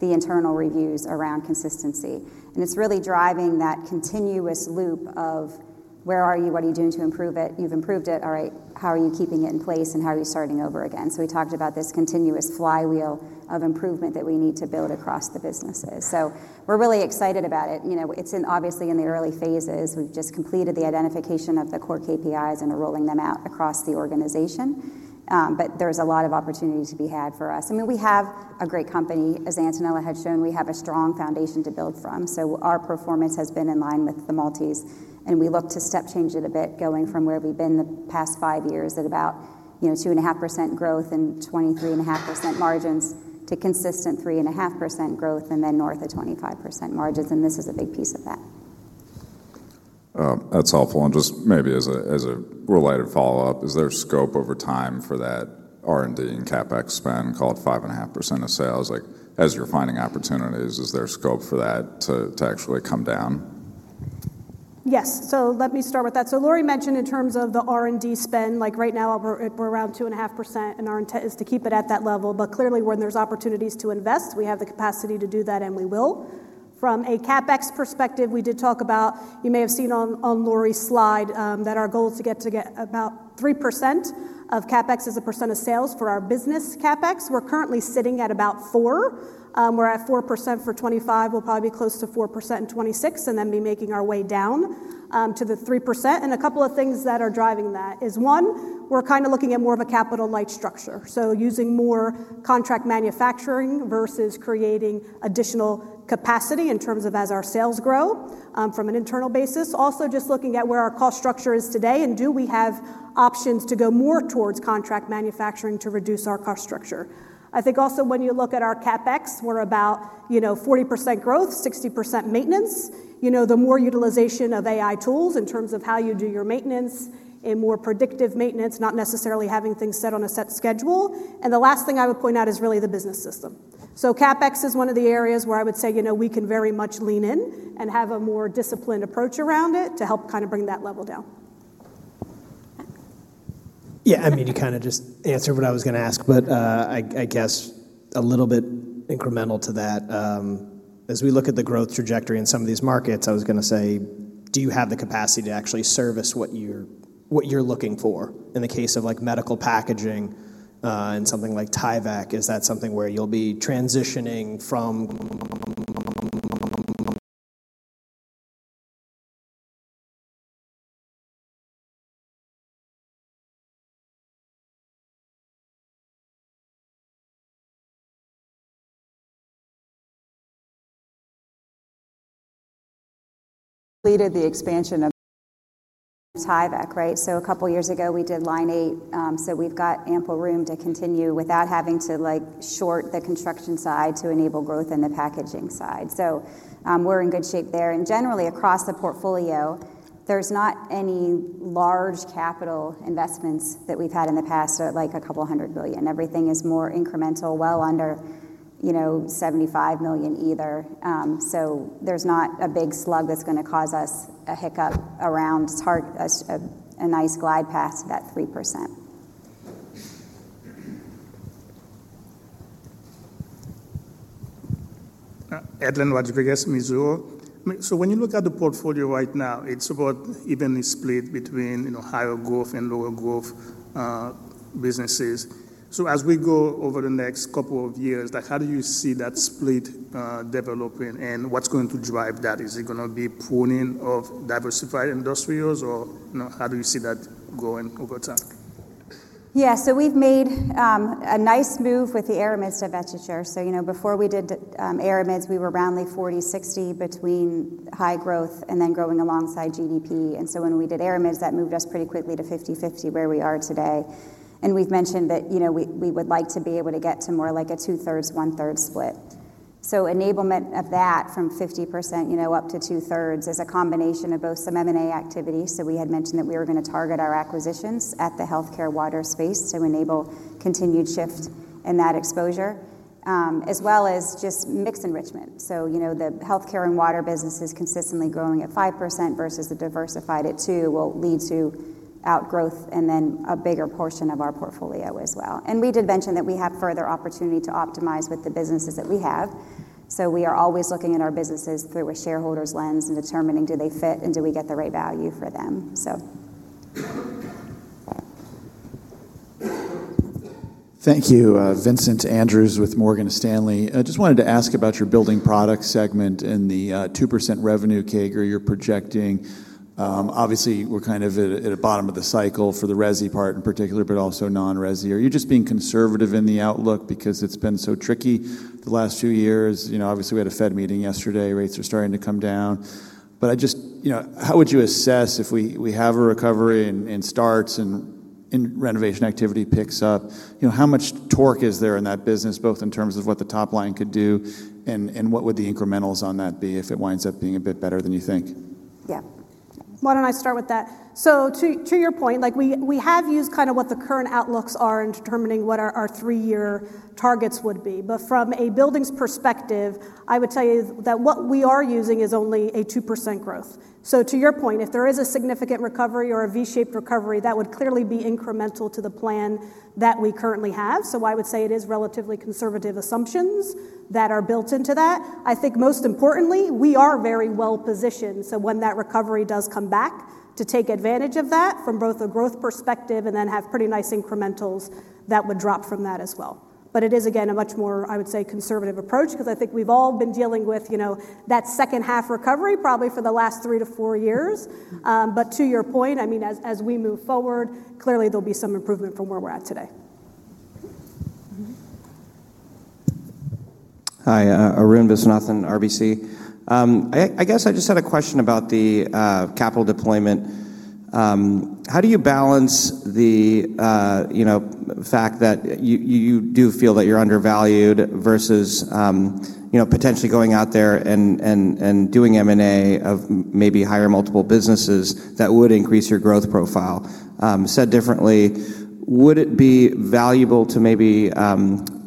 the internal reviews around consistency. It's really driving that continuous loop of where are you, what are you doing to improve it, you've improved it, all right, how are you keeping it in place, and how are you starting over again? We talked about this continuous flywheel of improvement that we need to build across the businesses. We're really excited about it. It's obviously in the early phases. We've just completed the identification of the core KPIs and are rolling them out across the organization. There's a lot of opportunity to be had for us. I mean, we have a great company, as Antonella Franzen had shown, we have a strong foundation to build from. Our performance has been in line with the multi's, and we look to step change it a bit, going from where we've been the past five years at about 2.5% growth and 23.5% margins to consistent 3.5% growth and then north of 25% margins. This is a big piece of that. That's helpful. Just maybe as a related follow-up, is there scope over time for that R&D and CapEx spend, called 5.5% of sales? As you're finding opportunities, is there scope for that to actually come down? Yes, let me start with that. Lori mentioned in terms of the R&D spend, right now we're around 2.5% and our intent is to keep it at that level. Clearly, when there's opportunities to invest, we have the capacity to do that and we will. From a CapEx perspective, we did talk about, you may have seen on Lori's slide that our goal is to get to about 3% of CapEx as a percent of sales for our business CapEx. We're currently sitting at about 4%. We're at 4% for 2025. We'll probably be close to 4% in 2026 and then be making our way down to 3%. A couple of things that are driving that is, one, we're kind of looking at more of a capital light structure, using more contract manufacturing versus creating additional capacity as our sales grow from an internal basis. Also, just looking at where our cost structure is today and do we have options to go more towards contract manufacturing to reduce our cost structure. I think also when you look at our CapEx, we're about 40% growth, 60% maintenance. The more utilization of AI tools in terms of how you do your maintenance and more predictive maintenance, not necessarily having things set on a set schedule. The last thing I would point out is really the business system. CapEx is one of the areas where I would say we can very much lean in and have a more disciplined approach around it to help bring that level down. Yeah, I mean, you kind of just answered what I was going to ask, but I guess a little bit incremental to that. As we look at the growth trajectory in some of these markets, I was going to say, do you have the capacity to actually service what you're looking for? In the case of like medical packaging and something like Tyvek, is that something where you'll be transitioning from? We did the expansion of Tyvek, right? A couple of years ago, we did line eight. We've got ample room to continue without having to short the construction side to enable growth in the packaging side. We're in good shape there. Generally, across the portfolio, there's not any large capital investments that we've had in the past, like a couple hundred million. Everything is more incremental, well under $75 million either. There's not a big slug that's going to cause us a hiccup around. It's a nice glide path to that 3%. Edlain Rodriguez, Mizuho. When you look at the portfolio right now, it's about evenly split between, you know, higher growth and lower growth businesses. As we go over the next couple of years, how do you see that split developing and what's going to drive that? Is it going to be pruning of Diversified Industrials or how do you see that going over time? Yeah, so we've made a nice move with the Aramids divestiture. Before we did Aramids, we were around 40-60 between high growth and then growing alongside GDP. When we did Aramids, that moved us pretty quickly to 50-50 where we are today. We've mentioned that we would like to be able to get to more like a 2/3, 1/3 split. Enablement of that from 50% up to 2/3 is a combination of both some M&A activity. We had mentioned that we were going to target our acquisitions at the healthcare water space to enable continued shift in that exposure, as well as just mix enrichment. The healthcare and water business is consistently growing at 5% versus a diversified at 2% will lead to outgrowth and then a bigger portion of our portfolio as well. We did mention that we have further opportunity to optimize with the businesses that we have. We are always looking at our businesses through a shareholder's lens and determining do they fit and do we get the right value for them. Thank you, Vincent Andrews with Morgan Stanley. I just wanted to ask about your building product segment and the 2% revenue CAGR you're projecting. Obviously, we're kind of at the bottom of the cycle for the RESI part in particular, but also non-RESI. Are you just being conservative in the outlook because it's been so tricky the last two years? Obviously, we had a Fed meeting yesterday. Rates are starting to come down. I just, how would you assess if we have a recovery and starts and renovation activity picks up? How much torque is there in that business, both in terms of what the top line could do and what would the incrementals on that be if it winds up being a bit better than you think? Yeah. Why don't I start with that? To your point, we have used kind of what the current outlooks are in determining what our three-year targets would be. From a building's perspective, I would tell you that what we are using is only a 2% growth. To your point, if there is a significant recovery or a V-shaped recovery, that would clearly be incremental to the plan that we currently have. I would say it is relatively conservative assumptions that are built into that. I think most importantly, we are very well positioned. When that recovery does come back, to take advantage of that from both a growth perspective and then have pretty nice incrementals that would drop from that as well. It is, again, a much more, I would say, conservative approach because I think we've all been dealing with that second half recovery probably for the last three to four years. To your point, as we move forward, clearly there'll be some improvement from where we're at today. Hi, Arun Viswanathan, RBC. I guess I just had a question about the capital deployment. How do you balance the fact that you do feel that you're undervalued versus potentially going out there and doing M&A of maybe higher multiple businesses that would increase your growth profile? Said differently, would it be valuable to maybe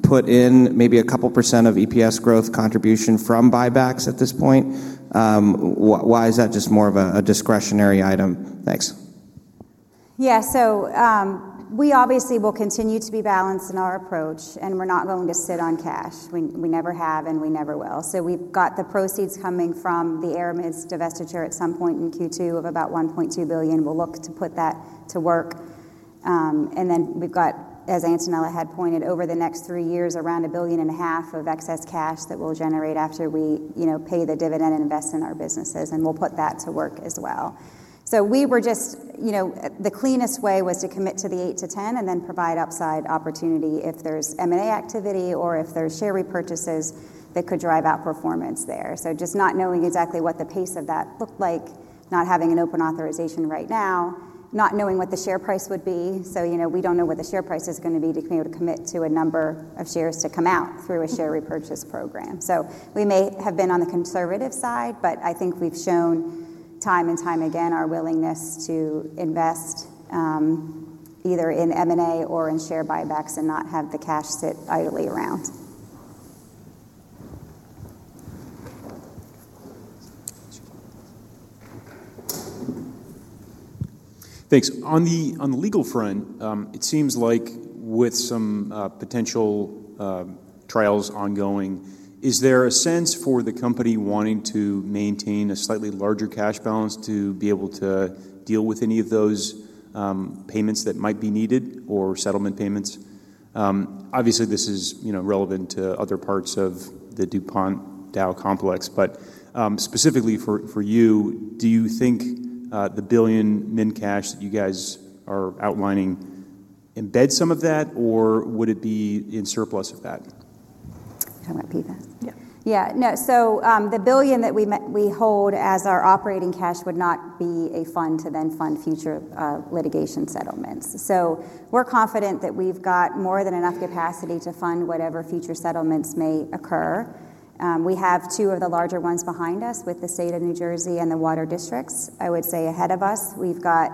put in maybe a couple % of EPS growth contribution from buybacks at this point? Why is that just more of a discretionary item? Thanks. Yeah, we obviously will continue to be balanced in our approach and we're not going to sit on cash. We never have and we never will. We've got the proceeds coming from the Aramids divestiture at some point in Q2 of about $1.2 billion. We'll look to put that to work. We've got, as Antonella Franzen had pointed, over the next three years, around $1.5 billion of excess cash that we'll generate after we pay the dividend and invest in our businesses. We'll put that to work as well. The cleanest way was to commit to the 8%-10% and then provide upside opportunity if there's M&A activity or if there's share repurchases that could drive outperformance there. Not knowing exactly what the pace of that looked like, not having an open authorization right now, not knowing what the share price would be. We don't know what the share price is going to be to be able to commit to a number of shares to come out through a share repurchase program. We may have been on the conservative side, but I think we've shown time and time again our willingness to invest either in M&A or in share buybacks and not have the cash sit idly around. Thanks. On the legal front, it seems like with some potential trials ongoing, is there a sense for the company wanting to maintain a slightly larger cash balance to be able to deal with any of those payments that might be needed or settlement payments? Obviously, this is relevant to other parts of the DuPont Dow complex, but specifically for you, do you think the $1 billion minimum cash that you guys are outlining embeds some of that or would it be in surplus of that? How about PayPal? No, the $1 billion that we hold as our operating cash would not be a fund to then fund future litigation settlements. We're confident that we've got more than enough capacity to fund whatever future settlements may occur. We have two of the larger ones behind us with the state of New Jersey and the water districts. I would say ahead of us, we've got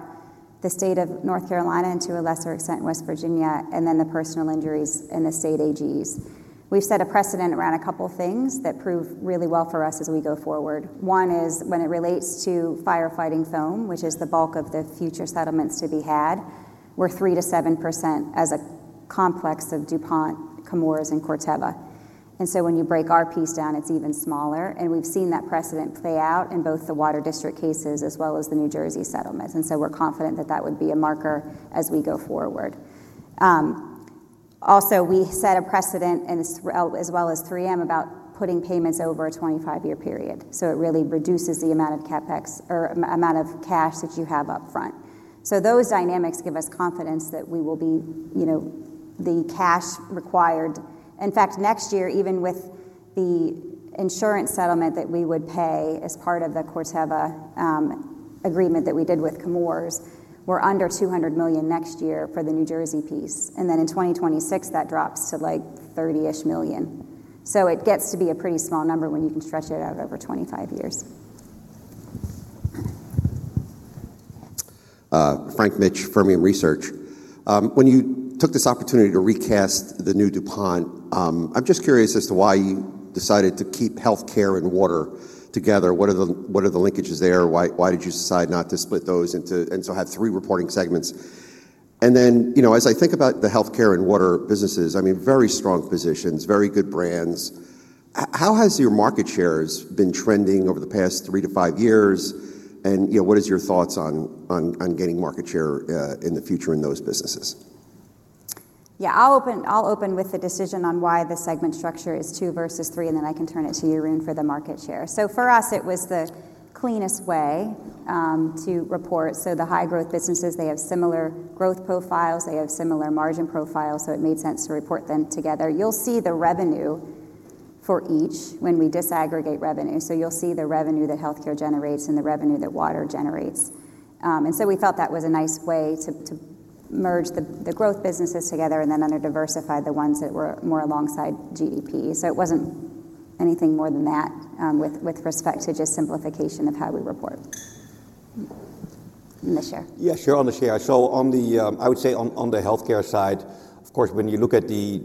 the state of North Carolina and to a lesser extent West Virginia, and then the personal injuries and the state AGs. We've set a precedent around a couple of things that prove really well for us as we go forward. One is when it relates to firefighting foam, which is the bulk of the future settlements to be had, we're 3%-7% as a complex of DuPont, Chemours, and Corteva. When you break our piece down, it's even smaller. We've seen that precedent play out in both the water district cases as well as the New Jersey settlements. We're confident that that would be a marker as we go forward. We also set a precedent, as well as 3M, about putting payments over a 25-year period. It really reduces the amount of CapEx or amount of cash that you have upfront. Those dynamics give us confidence that we will be the cash required. In fact, next year, even with the insurance settlement that we would pay as part of the Corteva agreement that we did with Chemours, we're under $200 million next year for the New Jersey piece. In 2026, that drops to like $30 million. It gets to be a pretty small number when you can stretch it out over 25 years. When you took this opportunity to recast the new DuPont, I'm just curious as to why you decided to keep healthcare and water together. What are the linkages there? Why did you decide not to split those into and so have three reporting segments? As I think about the healthcare and water businesses, I mean, very strong positions, very good brands. How has your market shares been trending over the past three to five years? What are your thoughts on gaining market share in the future in those businesses? Yeah, I'll open with the decision on why the segment structure is two versus three, and then I can turn it to Jeroen for the market share. For us, it was the cleanest way to report. The high-growth businesses have similar growth profiles, they have similar margin profiles, so it made sense to report them together. You'll see the revenue for each when we disaggregate revenue. You'll see the revenue that healthcare generates and the revenue that water generates. We thought that was a nice way to merge the growth businesses together and then under-diversify the ones that were more alongside GDP. It wasn't anything more than that with respect to just simplification of how we report in the share. Yeah, sure on the share. On the healthcare side, of course, when you look at the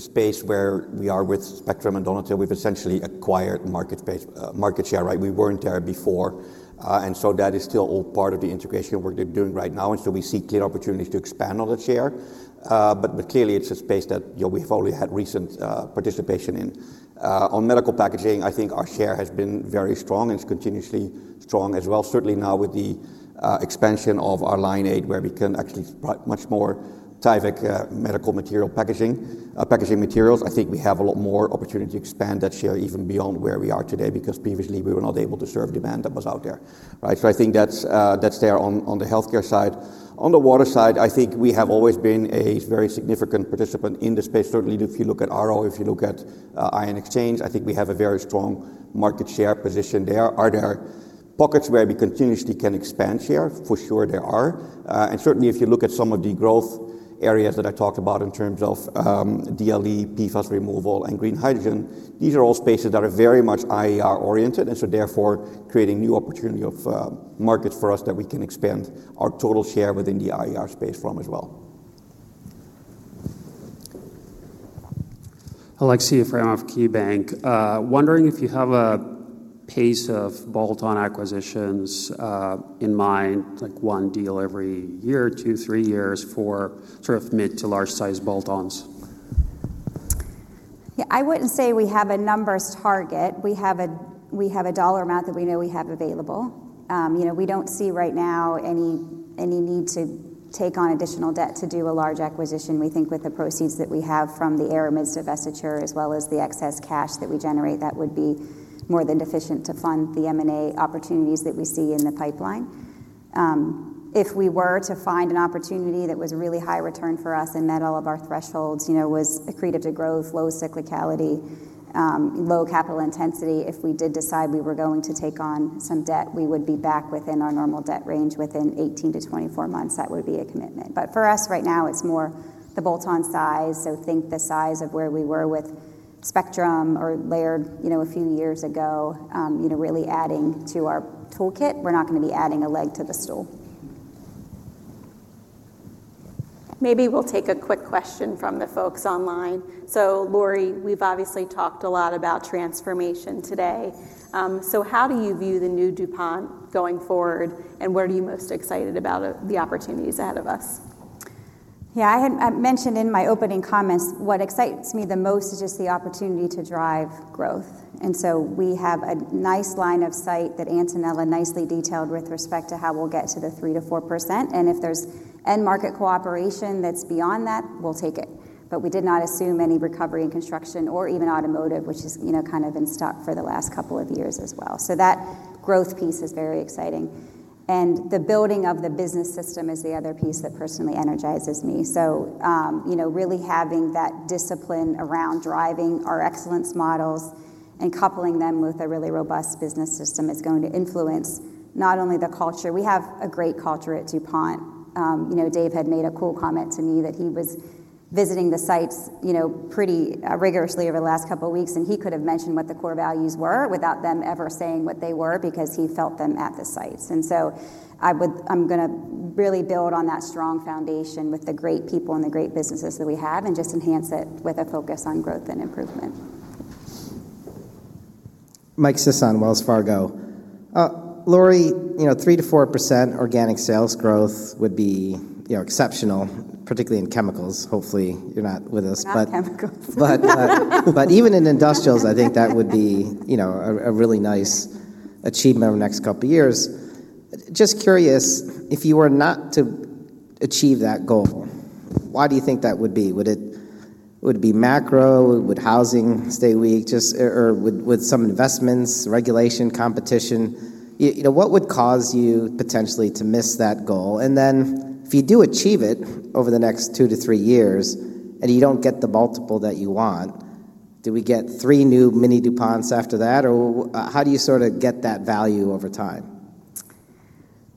space where we are with Spectrum and Donatelle, we've essentially acquired market share, right? We weren't there before. That is still all part of the integration of what they're doing right now. We see clear opportunities to expand on the share. Clearly, it's a space that we've only had recent participation in. On medical packaging, I think our share has been very strong and it's continuously strong as well. Certainly now with the expansion of our line eight where we can actually provide much more Tyvek medical material packaging, packaging materials, I think we have a lot more opportunity to expand that share even beyond where we are today because previously we were not able to serve demand that was out there. I think that's there on the healthcare side. On the water side, I think we have always been a very significant participant in the space. Certainly, if you look at RO, if you look at ion exchange, I think we have a very strong market share position there. Are there pockets where we continuously can expand share? For sure, there are. Certainly, if you look at some of the growth areas that I talked about in terms of direct lithium extraction, PFAS removal, and green hydrogen, these are all spaces that are very much ion exchange resin oriented. Therefore, creating new opportunity of markets for us that we can expand our total share within the ion exchange resin space from as well. Aleksey Yefremov, KeyBanc. Wondering if you have a pace of bolt-on acquisitions in mind, like one deal every year, two, three years for sort of mid to large size bolt-ons? Yeah, I wouldn't say we have a numbers target. We have a dollar amount that we know we have available. We don't see right now any need to take on additional debt to do a large acquisition. We think with the proceeds that we have from the Aramids divestiture, as well as the excess cash that we generate, that would be more than sufficient to fund the M&A opportunities that we see in the pipeline. If we were to find an opportunity that was really high return for us and met all of our thresholds, was accretive to growth, low cyclicality, low capital intensity, if we did decide we were going to take on some debt, we would be back within our normal debt range within 18 to 24 months. That would be a commitment. For us right now, it's more the bolt-on size. Think the size of where we were with Spectrum or Laird a few years ago, really adding to our toolkit. We're not going to be adding a leg to the stool. Maybe we'll take a quick question from the folks online. Lori, we've obviously talked a lot about transformation today. How do you view the new DuPont going forward and where are you most excited about the opportunities ahead of us? Yeah, I had mentioned in my opening comments what excites me the most is just the opportunity to drive growth. We have a nice line of sight that Antonella nicely detailed with respect to how we'll get to the 3%-4%. If there's end market cooperation that's beyond that, we'll take it. We did not assume any recovery in construction or even automotive, which is, you know, kind of been stuck for the last couple of years as well. That growth piece is very exciting. The building of the business system is the other piece that personally energizes me. You know, really having that discipline around driving our excellence models and coupling them with a really robust business system is going to influence not only the culture. We have a great culture at DuPont. You know, Dave had made a cool comment to me that he was visiting the sites, you know, pretty rigorously over the last couple of weeks, and he could have mentioned what the core values were without them ever saying what they were because he felt them at the sites. I am going to really build on that strong foundation with the great people and the great businesses that we have and just enhance it with a focus on growth and improvement. Mike Sison, Wells Fargo. Lori, you know, 3%-4% organic sales growth would be, you know, exceptional, particularly in chemicals. Hopefully, you're not with us. Not chemicals. Even in industrials, I think that would be, you know, a really nice achievement over the next couple of years. Just curious, if you were not to achieve that goal, why do you think that would be? Would it be macro? Would housing stay weak? Would some investments, regulation, competition, you know, what would cause you potentially to miss that goal? If you do achieve it over the next two to three years and you don't get the multiple that you want, do we get three new mini DuPonts after that? How do you sort of get that value over time?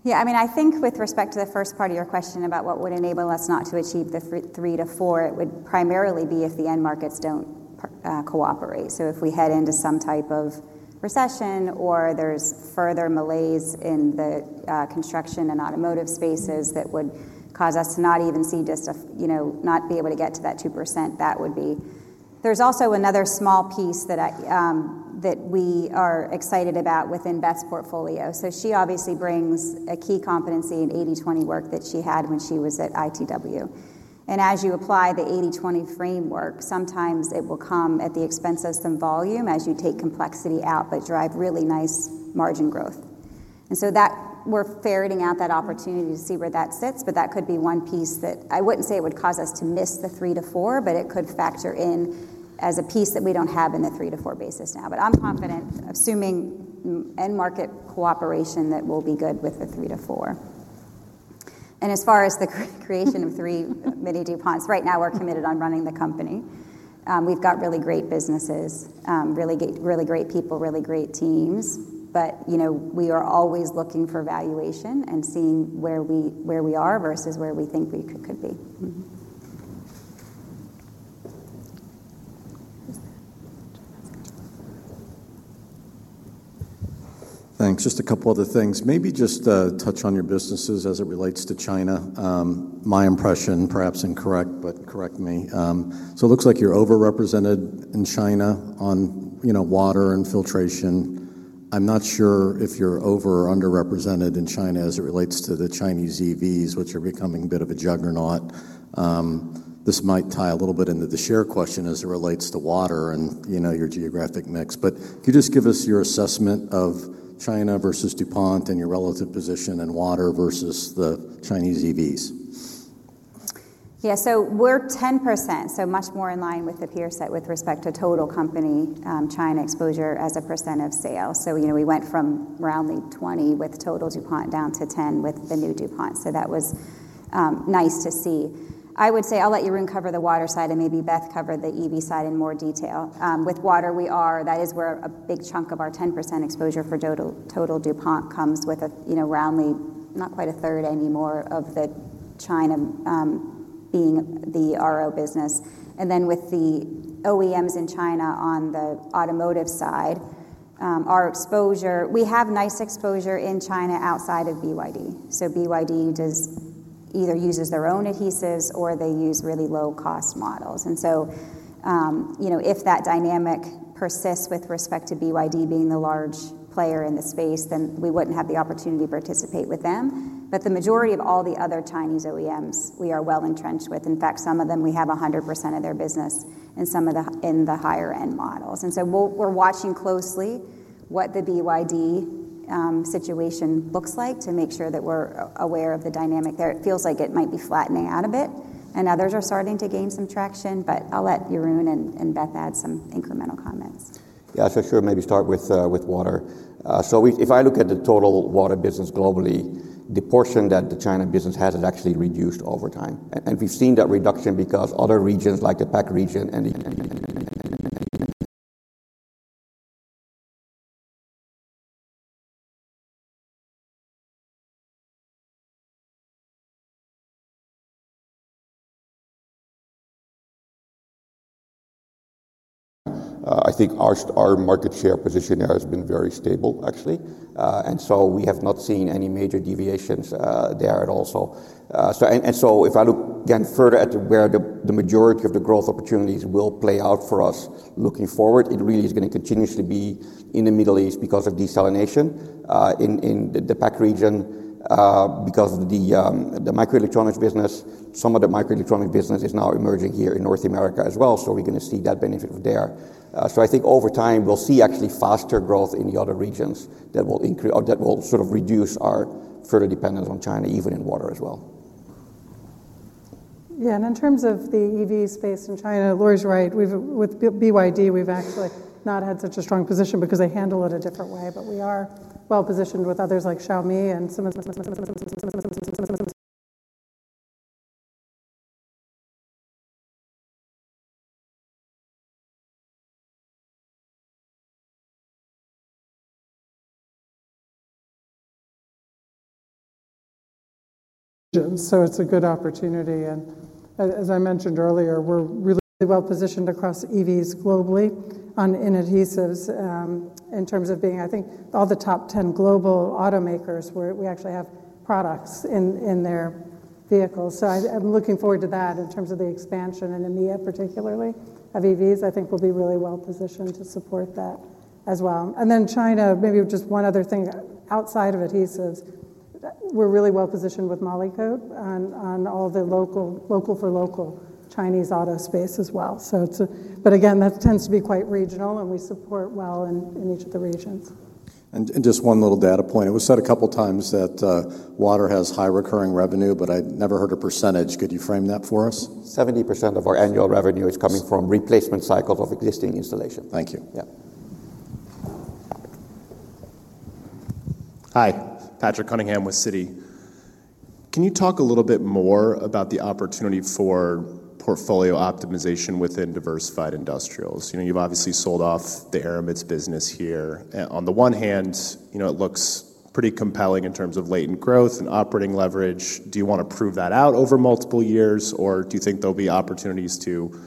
Yeah, I mean, I think with respect to the first part of your question about what would enable us not to achieve the 3% to 4%, it would primarily be if the end markets don't cooperate. If we head into some type of recession or there's further malaise in the construction and automotive spaces, that would cause us to not even see just a, you know, not be able to get to that 2%, that would be. There's also another small piece that we are excited about within Beth Ferreira's portfolio. She obviously brings a key competency in 80-20 work that she had when she was at ITW. As you apply the 80-20 framework, sometimes it will come at the expense of some volume as you take complexity out, but drive really nice margin growth. We are ferreting out that opportunity to see where that sits, but that could be one piece that I wouldn't say it would cause us to miss the 3%-4%, but it could factor in as a piece that we don't have in the 3%-4% basis now. I'm confident, assuming end market cooperation, that we'll be good with the 3%-4%. As far as the creation of three mini DuPonts, right now we're committed on running the company. We've got really great businesses, really great people, really great teams. We are always looking for valuation and seeing where we are versus where we think we could be. Thanks. Just a couple other things. Maybe just touch on your businesses as it relates to China. My impression, perhaps incorrect, but correct me. It looks like you're overrepresented in China on, you know, water and filtration. I'm not sure if you're over or underrepresented in China as it relates to the Chinese EVs, which are becoming a bit of a juggernaut. This might tie a little bit into the share question as it relates to water and, you know, your geographic mix. Can you just give us your assessment of China versus DuPont and your relative position in water versus the Chinese EVs? Yeah, so we're 10%, so much more in line with the peer set with respect to total company China exposure as a percent of sales. We went from around the 20% with total DuPont down to 10% with the new DuPont. That was nice to see. I would say I'll let Jeroen cover the water side and maybe Beth cover the EV side in more detail. With water, that is where a big chunk of our 10% exposure for total DuPont comes with, you know, roundly, not quite a third anymore of the China being the RO business. With the OEMs in China on the automotive side, our exposure, we have nice exposure in China outside of BYD. BYD either uses their own adhesives or they use really low-cost models. If that dynamic persists with respect to BYD being the large player in the space, then we wouldn't have the opportunity to participate with them. The majority of all the other Chinese OEMs, we are well entrenched with. In fact, some of them we have 100% of their business in some of the higher-end models. We're watching closely what the BYD situation looks like to make sure that we're aware of the dynamic there. It feels like it might be flattening out a bit. Others are starting to gain some traction, but I'll let Jeroen and Beth add some incremental comments. Yeah, sure, maybe start with water. If I look at the total water business globally, the portion that the China business has is actually reduced over time. We've seen that reduction because other regions like the PAC region and even, I think, our market share position there has been very stable, actually. We have not seen any major deviations there at all. If I look again further at where the majority of the growth opportunities will play out for us looking forward, it really is going to continuously be in the Middle East because of desalination. In the PAC region, because of the microelectronics business, some of the microelectronics business is now emerging here in North America as well. We're going to see that benefit there. I think over time we'll see actually faster growth in the other regions that will increase or that will sort of reduce our further dependence on China, even in water as well. Yeah, and in terms of the EV space in China, Lori's right. With BYD, we've actually not had such a strong position because they handle it a different way, but we are well positioned with others like Xiaomi and Siemens. It's a good opportunity. As I mentioned earlier, we're really well positioned across EVs globally in adhesives in terms of being, I think, all the top 10 global automakers where we actually have products in their vehicles. I'm looking forward to that in terms of the expansion and in the EVs particularly. I think we'll be really well positioned to support that as well. In China, maybe just one other thing outside of adhesives, we're really well positioned with MOLYKOTE® on all the local for local Chinese auto space as well. That tends to be quite regional and we support well in each of the regions. Just one little data point. It was said a couple of times that water has high recurring revenue, but I never heard a %. Could you frame that for us? 70% of our annual revenue is coming from replacement cycles of existing installation. Thank you. Yeah. Hi, Patrick Cunningham with Citi. Can you talk a little bit more about the opportunity for portfolio optimization within Diversified Industrials? You've obviously sold off the Aramids business here. On the one hand, it looks pretty compelling in terms of latent growth and operating leverage. Do you want to prove that out over multiple years or do you think there'll be opportunities to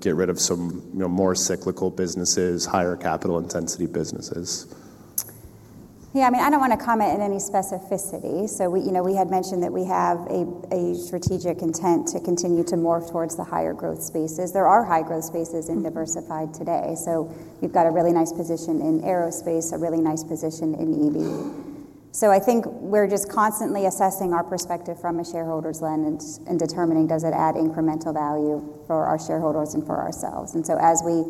get rid of some more cyclical businesses, higher capital intensity businesses? Yeah, I mean, I don't want to comment in any specificity. We had mentioned that we have a strategic intent to continue to morph towards the higher growth spaces. There are high growth spaces in Diversified today. We've got a really nice position in aerospace, a really nice position in EV. I think we're just constantly assessing our perspective from a shareholder's lens and determining does it add incremental value for our shareholders and for ourselves. As we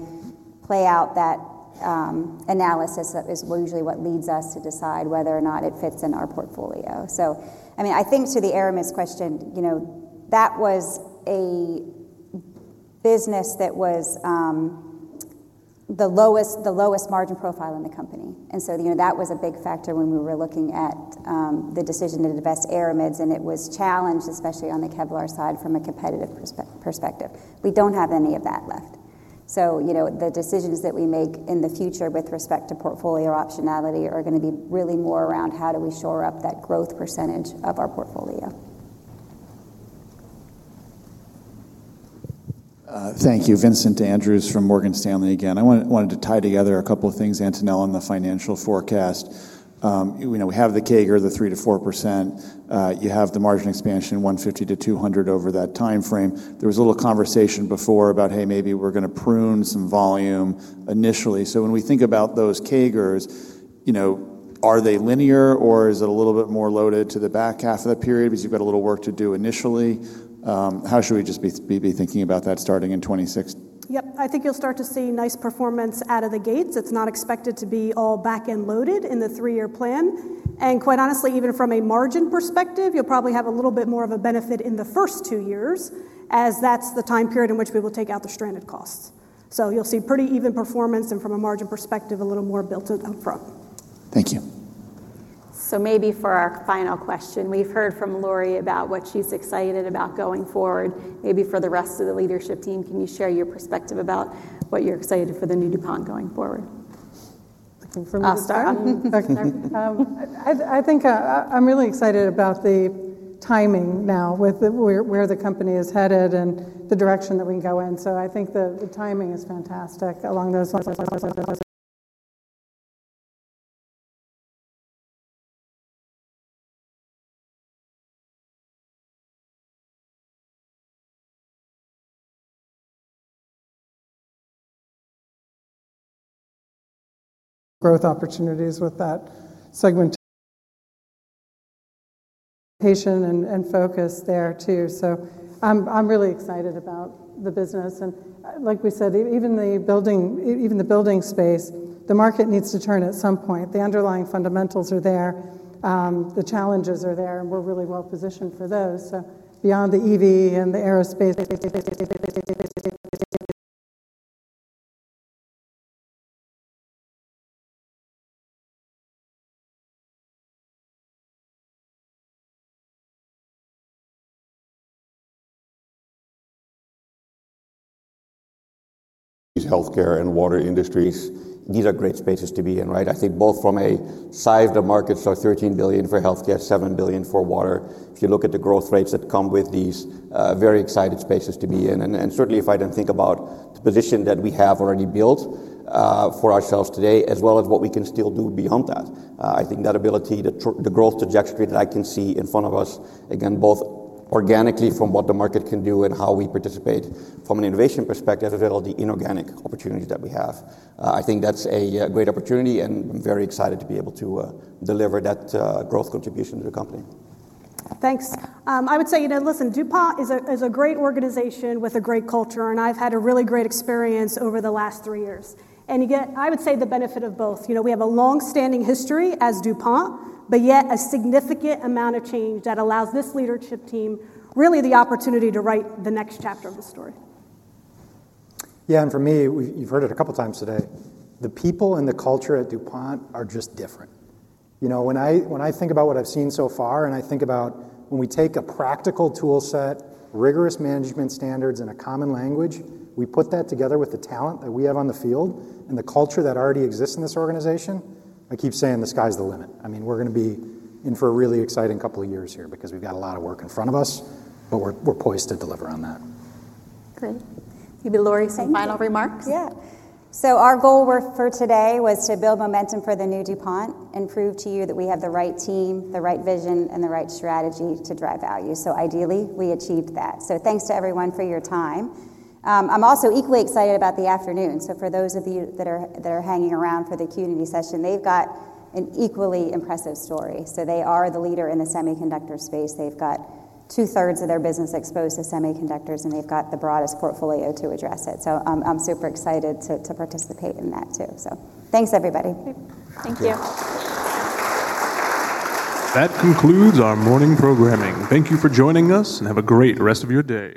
play out that analysis, that is usually what leads us to decide whether or not it fits in our portfolio. I think to the Aramids question, that was a business that was the lowest margin profile in the company. That was a big factor when we were looking at the decision to divest Aramids and it was challenged, especially on the Kevlar side from a competitive perspective. We don't have any of that left. The decisions that we make in the future with respect to portfolio optionality are going to be really more around how do we shore up that growth percentage of our portfolio. Thank you. Vincent Andrews from Morgan Stanley again. I wanted to tie together a couple of things, Antonella, on the financial forecast. You know, we have the CAGR, the 3%-4%. You have the margin expansion, 150-200 over that timeframe. There was a little conversation before about, hey, maybe we're going to prune some volume initially. When we think about those CAGRs, you know, are they linear or is it a little bit more loaded to the back half of that period because you've got a little work to do initially? How should we just be thinking about that starting in 2016? I think you'll start to see nice performance out of the gates. It's not expected to be all back and loaded in the three-year plan. Quite honestly, even from a margin perspective, you'll probably have a little bit more of a benefit in the first two years as that's the time period in which we will take out the stranded costs. You'll see pretty even performance and from a margin perspective, a little more built up front. Thank you. Maybe for our final question, we've heard from Lori about what she's excited about going forward. Maybe for the rest of the leadership team, can you share your perspective about what you're excited for the new DuPont going forward? I can start. I think I'm really excited about the timing now with where the company is headed and the direction that we can go in. I think the timing is fantastic along those growth opportunities with that segment. Patient and focused there too. I'm really excited about the business. Like we said, even the building space, the market needs to turn at some point. The underlying fundamentals are there. The challenges are there, and we're really well positioned for those. Beyond the EV and the aerospace. Healthcare and water industries, these are great spaces to be in, right? I think both from a size of the market, so $13 billion for healthcare, $7 billion for water. If you look at the growth rates that come with these, very excited spaces to be in. If I then think about the position that we have already built for ourselves today, as well as what we can still do beyond that, I think that ability, the growth trajectory that I can see in front of us, again, both organically from what the market can do and how we participate from an innovation perspective, as well as the inorganic opportunities that we have. I think that's a great opportunity, and I'm very excited to be able to deliver that growth contribution to the company. Thanks. I would say, you know, DuPont is a great organization with a great culture, and I've had a really great experience over the last three years. You get, I would say, the benefit of both. We have a longstanding history as DuPont, yet a significant amount of change that allows this leadership team really the opportunity to write the next chapter of the story. Yeah, for me, you've heard it a couple of times today, the people and the culture at DuPont are just different. When I think about what I've seen so far, and I think about when we take a practical toolset, rigorous management standards, and a common language, we put that together with the talent that we have on the field and the culture that already exists in this organization. I keep saying the sky's the limit. I mean, we're going to be in for a really exciting couple of years here because we've got a lot of work in front of us, but we're poised to deliver on that. Good. Maybe Lori, some final remarks? Yeah. Our goal for today was to build momentum for the new DuPont and prove to you that we have the right team, the right vision, and the right strategy to drive value. Ideally, we achieved that. Thanks to everyone for your time. I'm also equally excited about the afternoon. For those of you that are hanging around for the Q&A session, they've got an equally impressive story. They are the leader in the semiconductor space. They've got two-thirds of their business exposed to semiconductors, and they've got the broadest portfolio to address it. I'm super excited to participate in that too. Thanks, everybody. Thank you. That concludes our morning programming. Thank you for joining us and have a great rest of your day.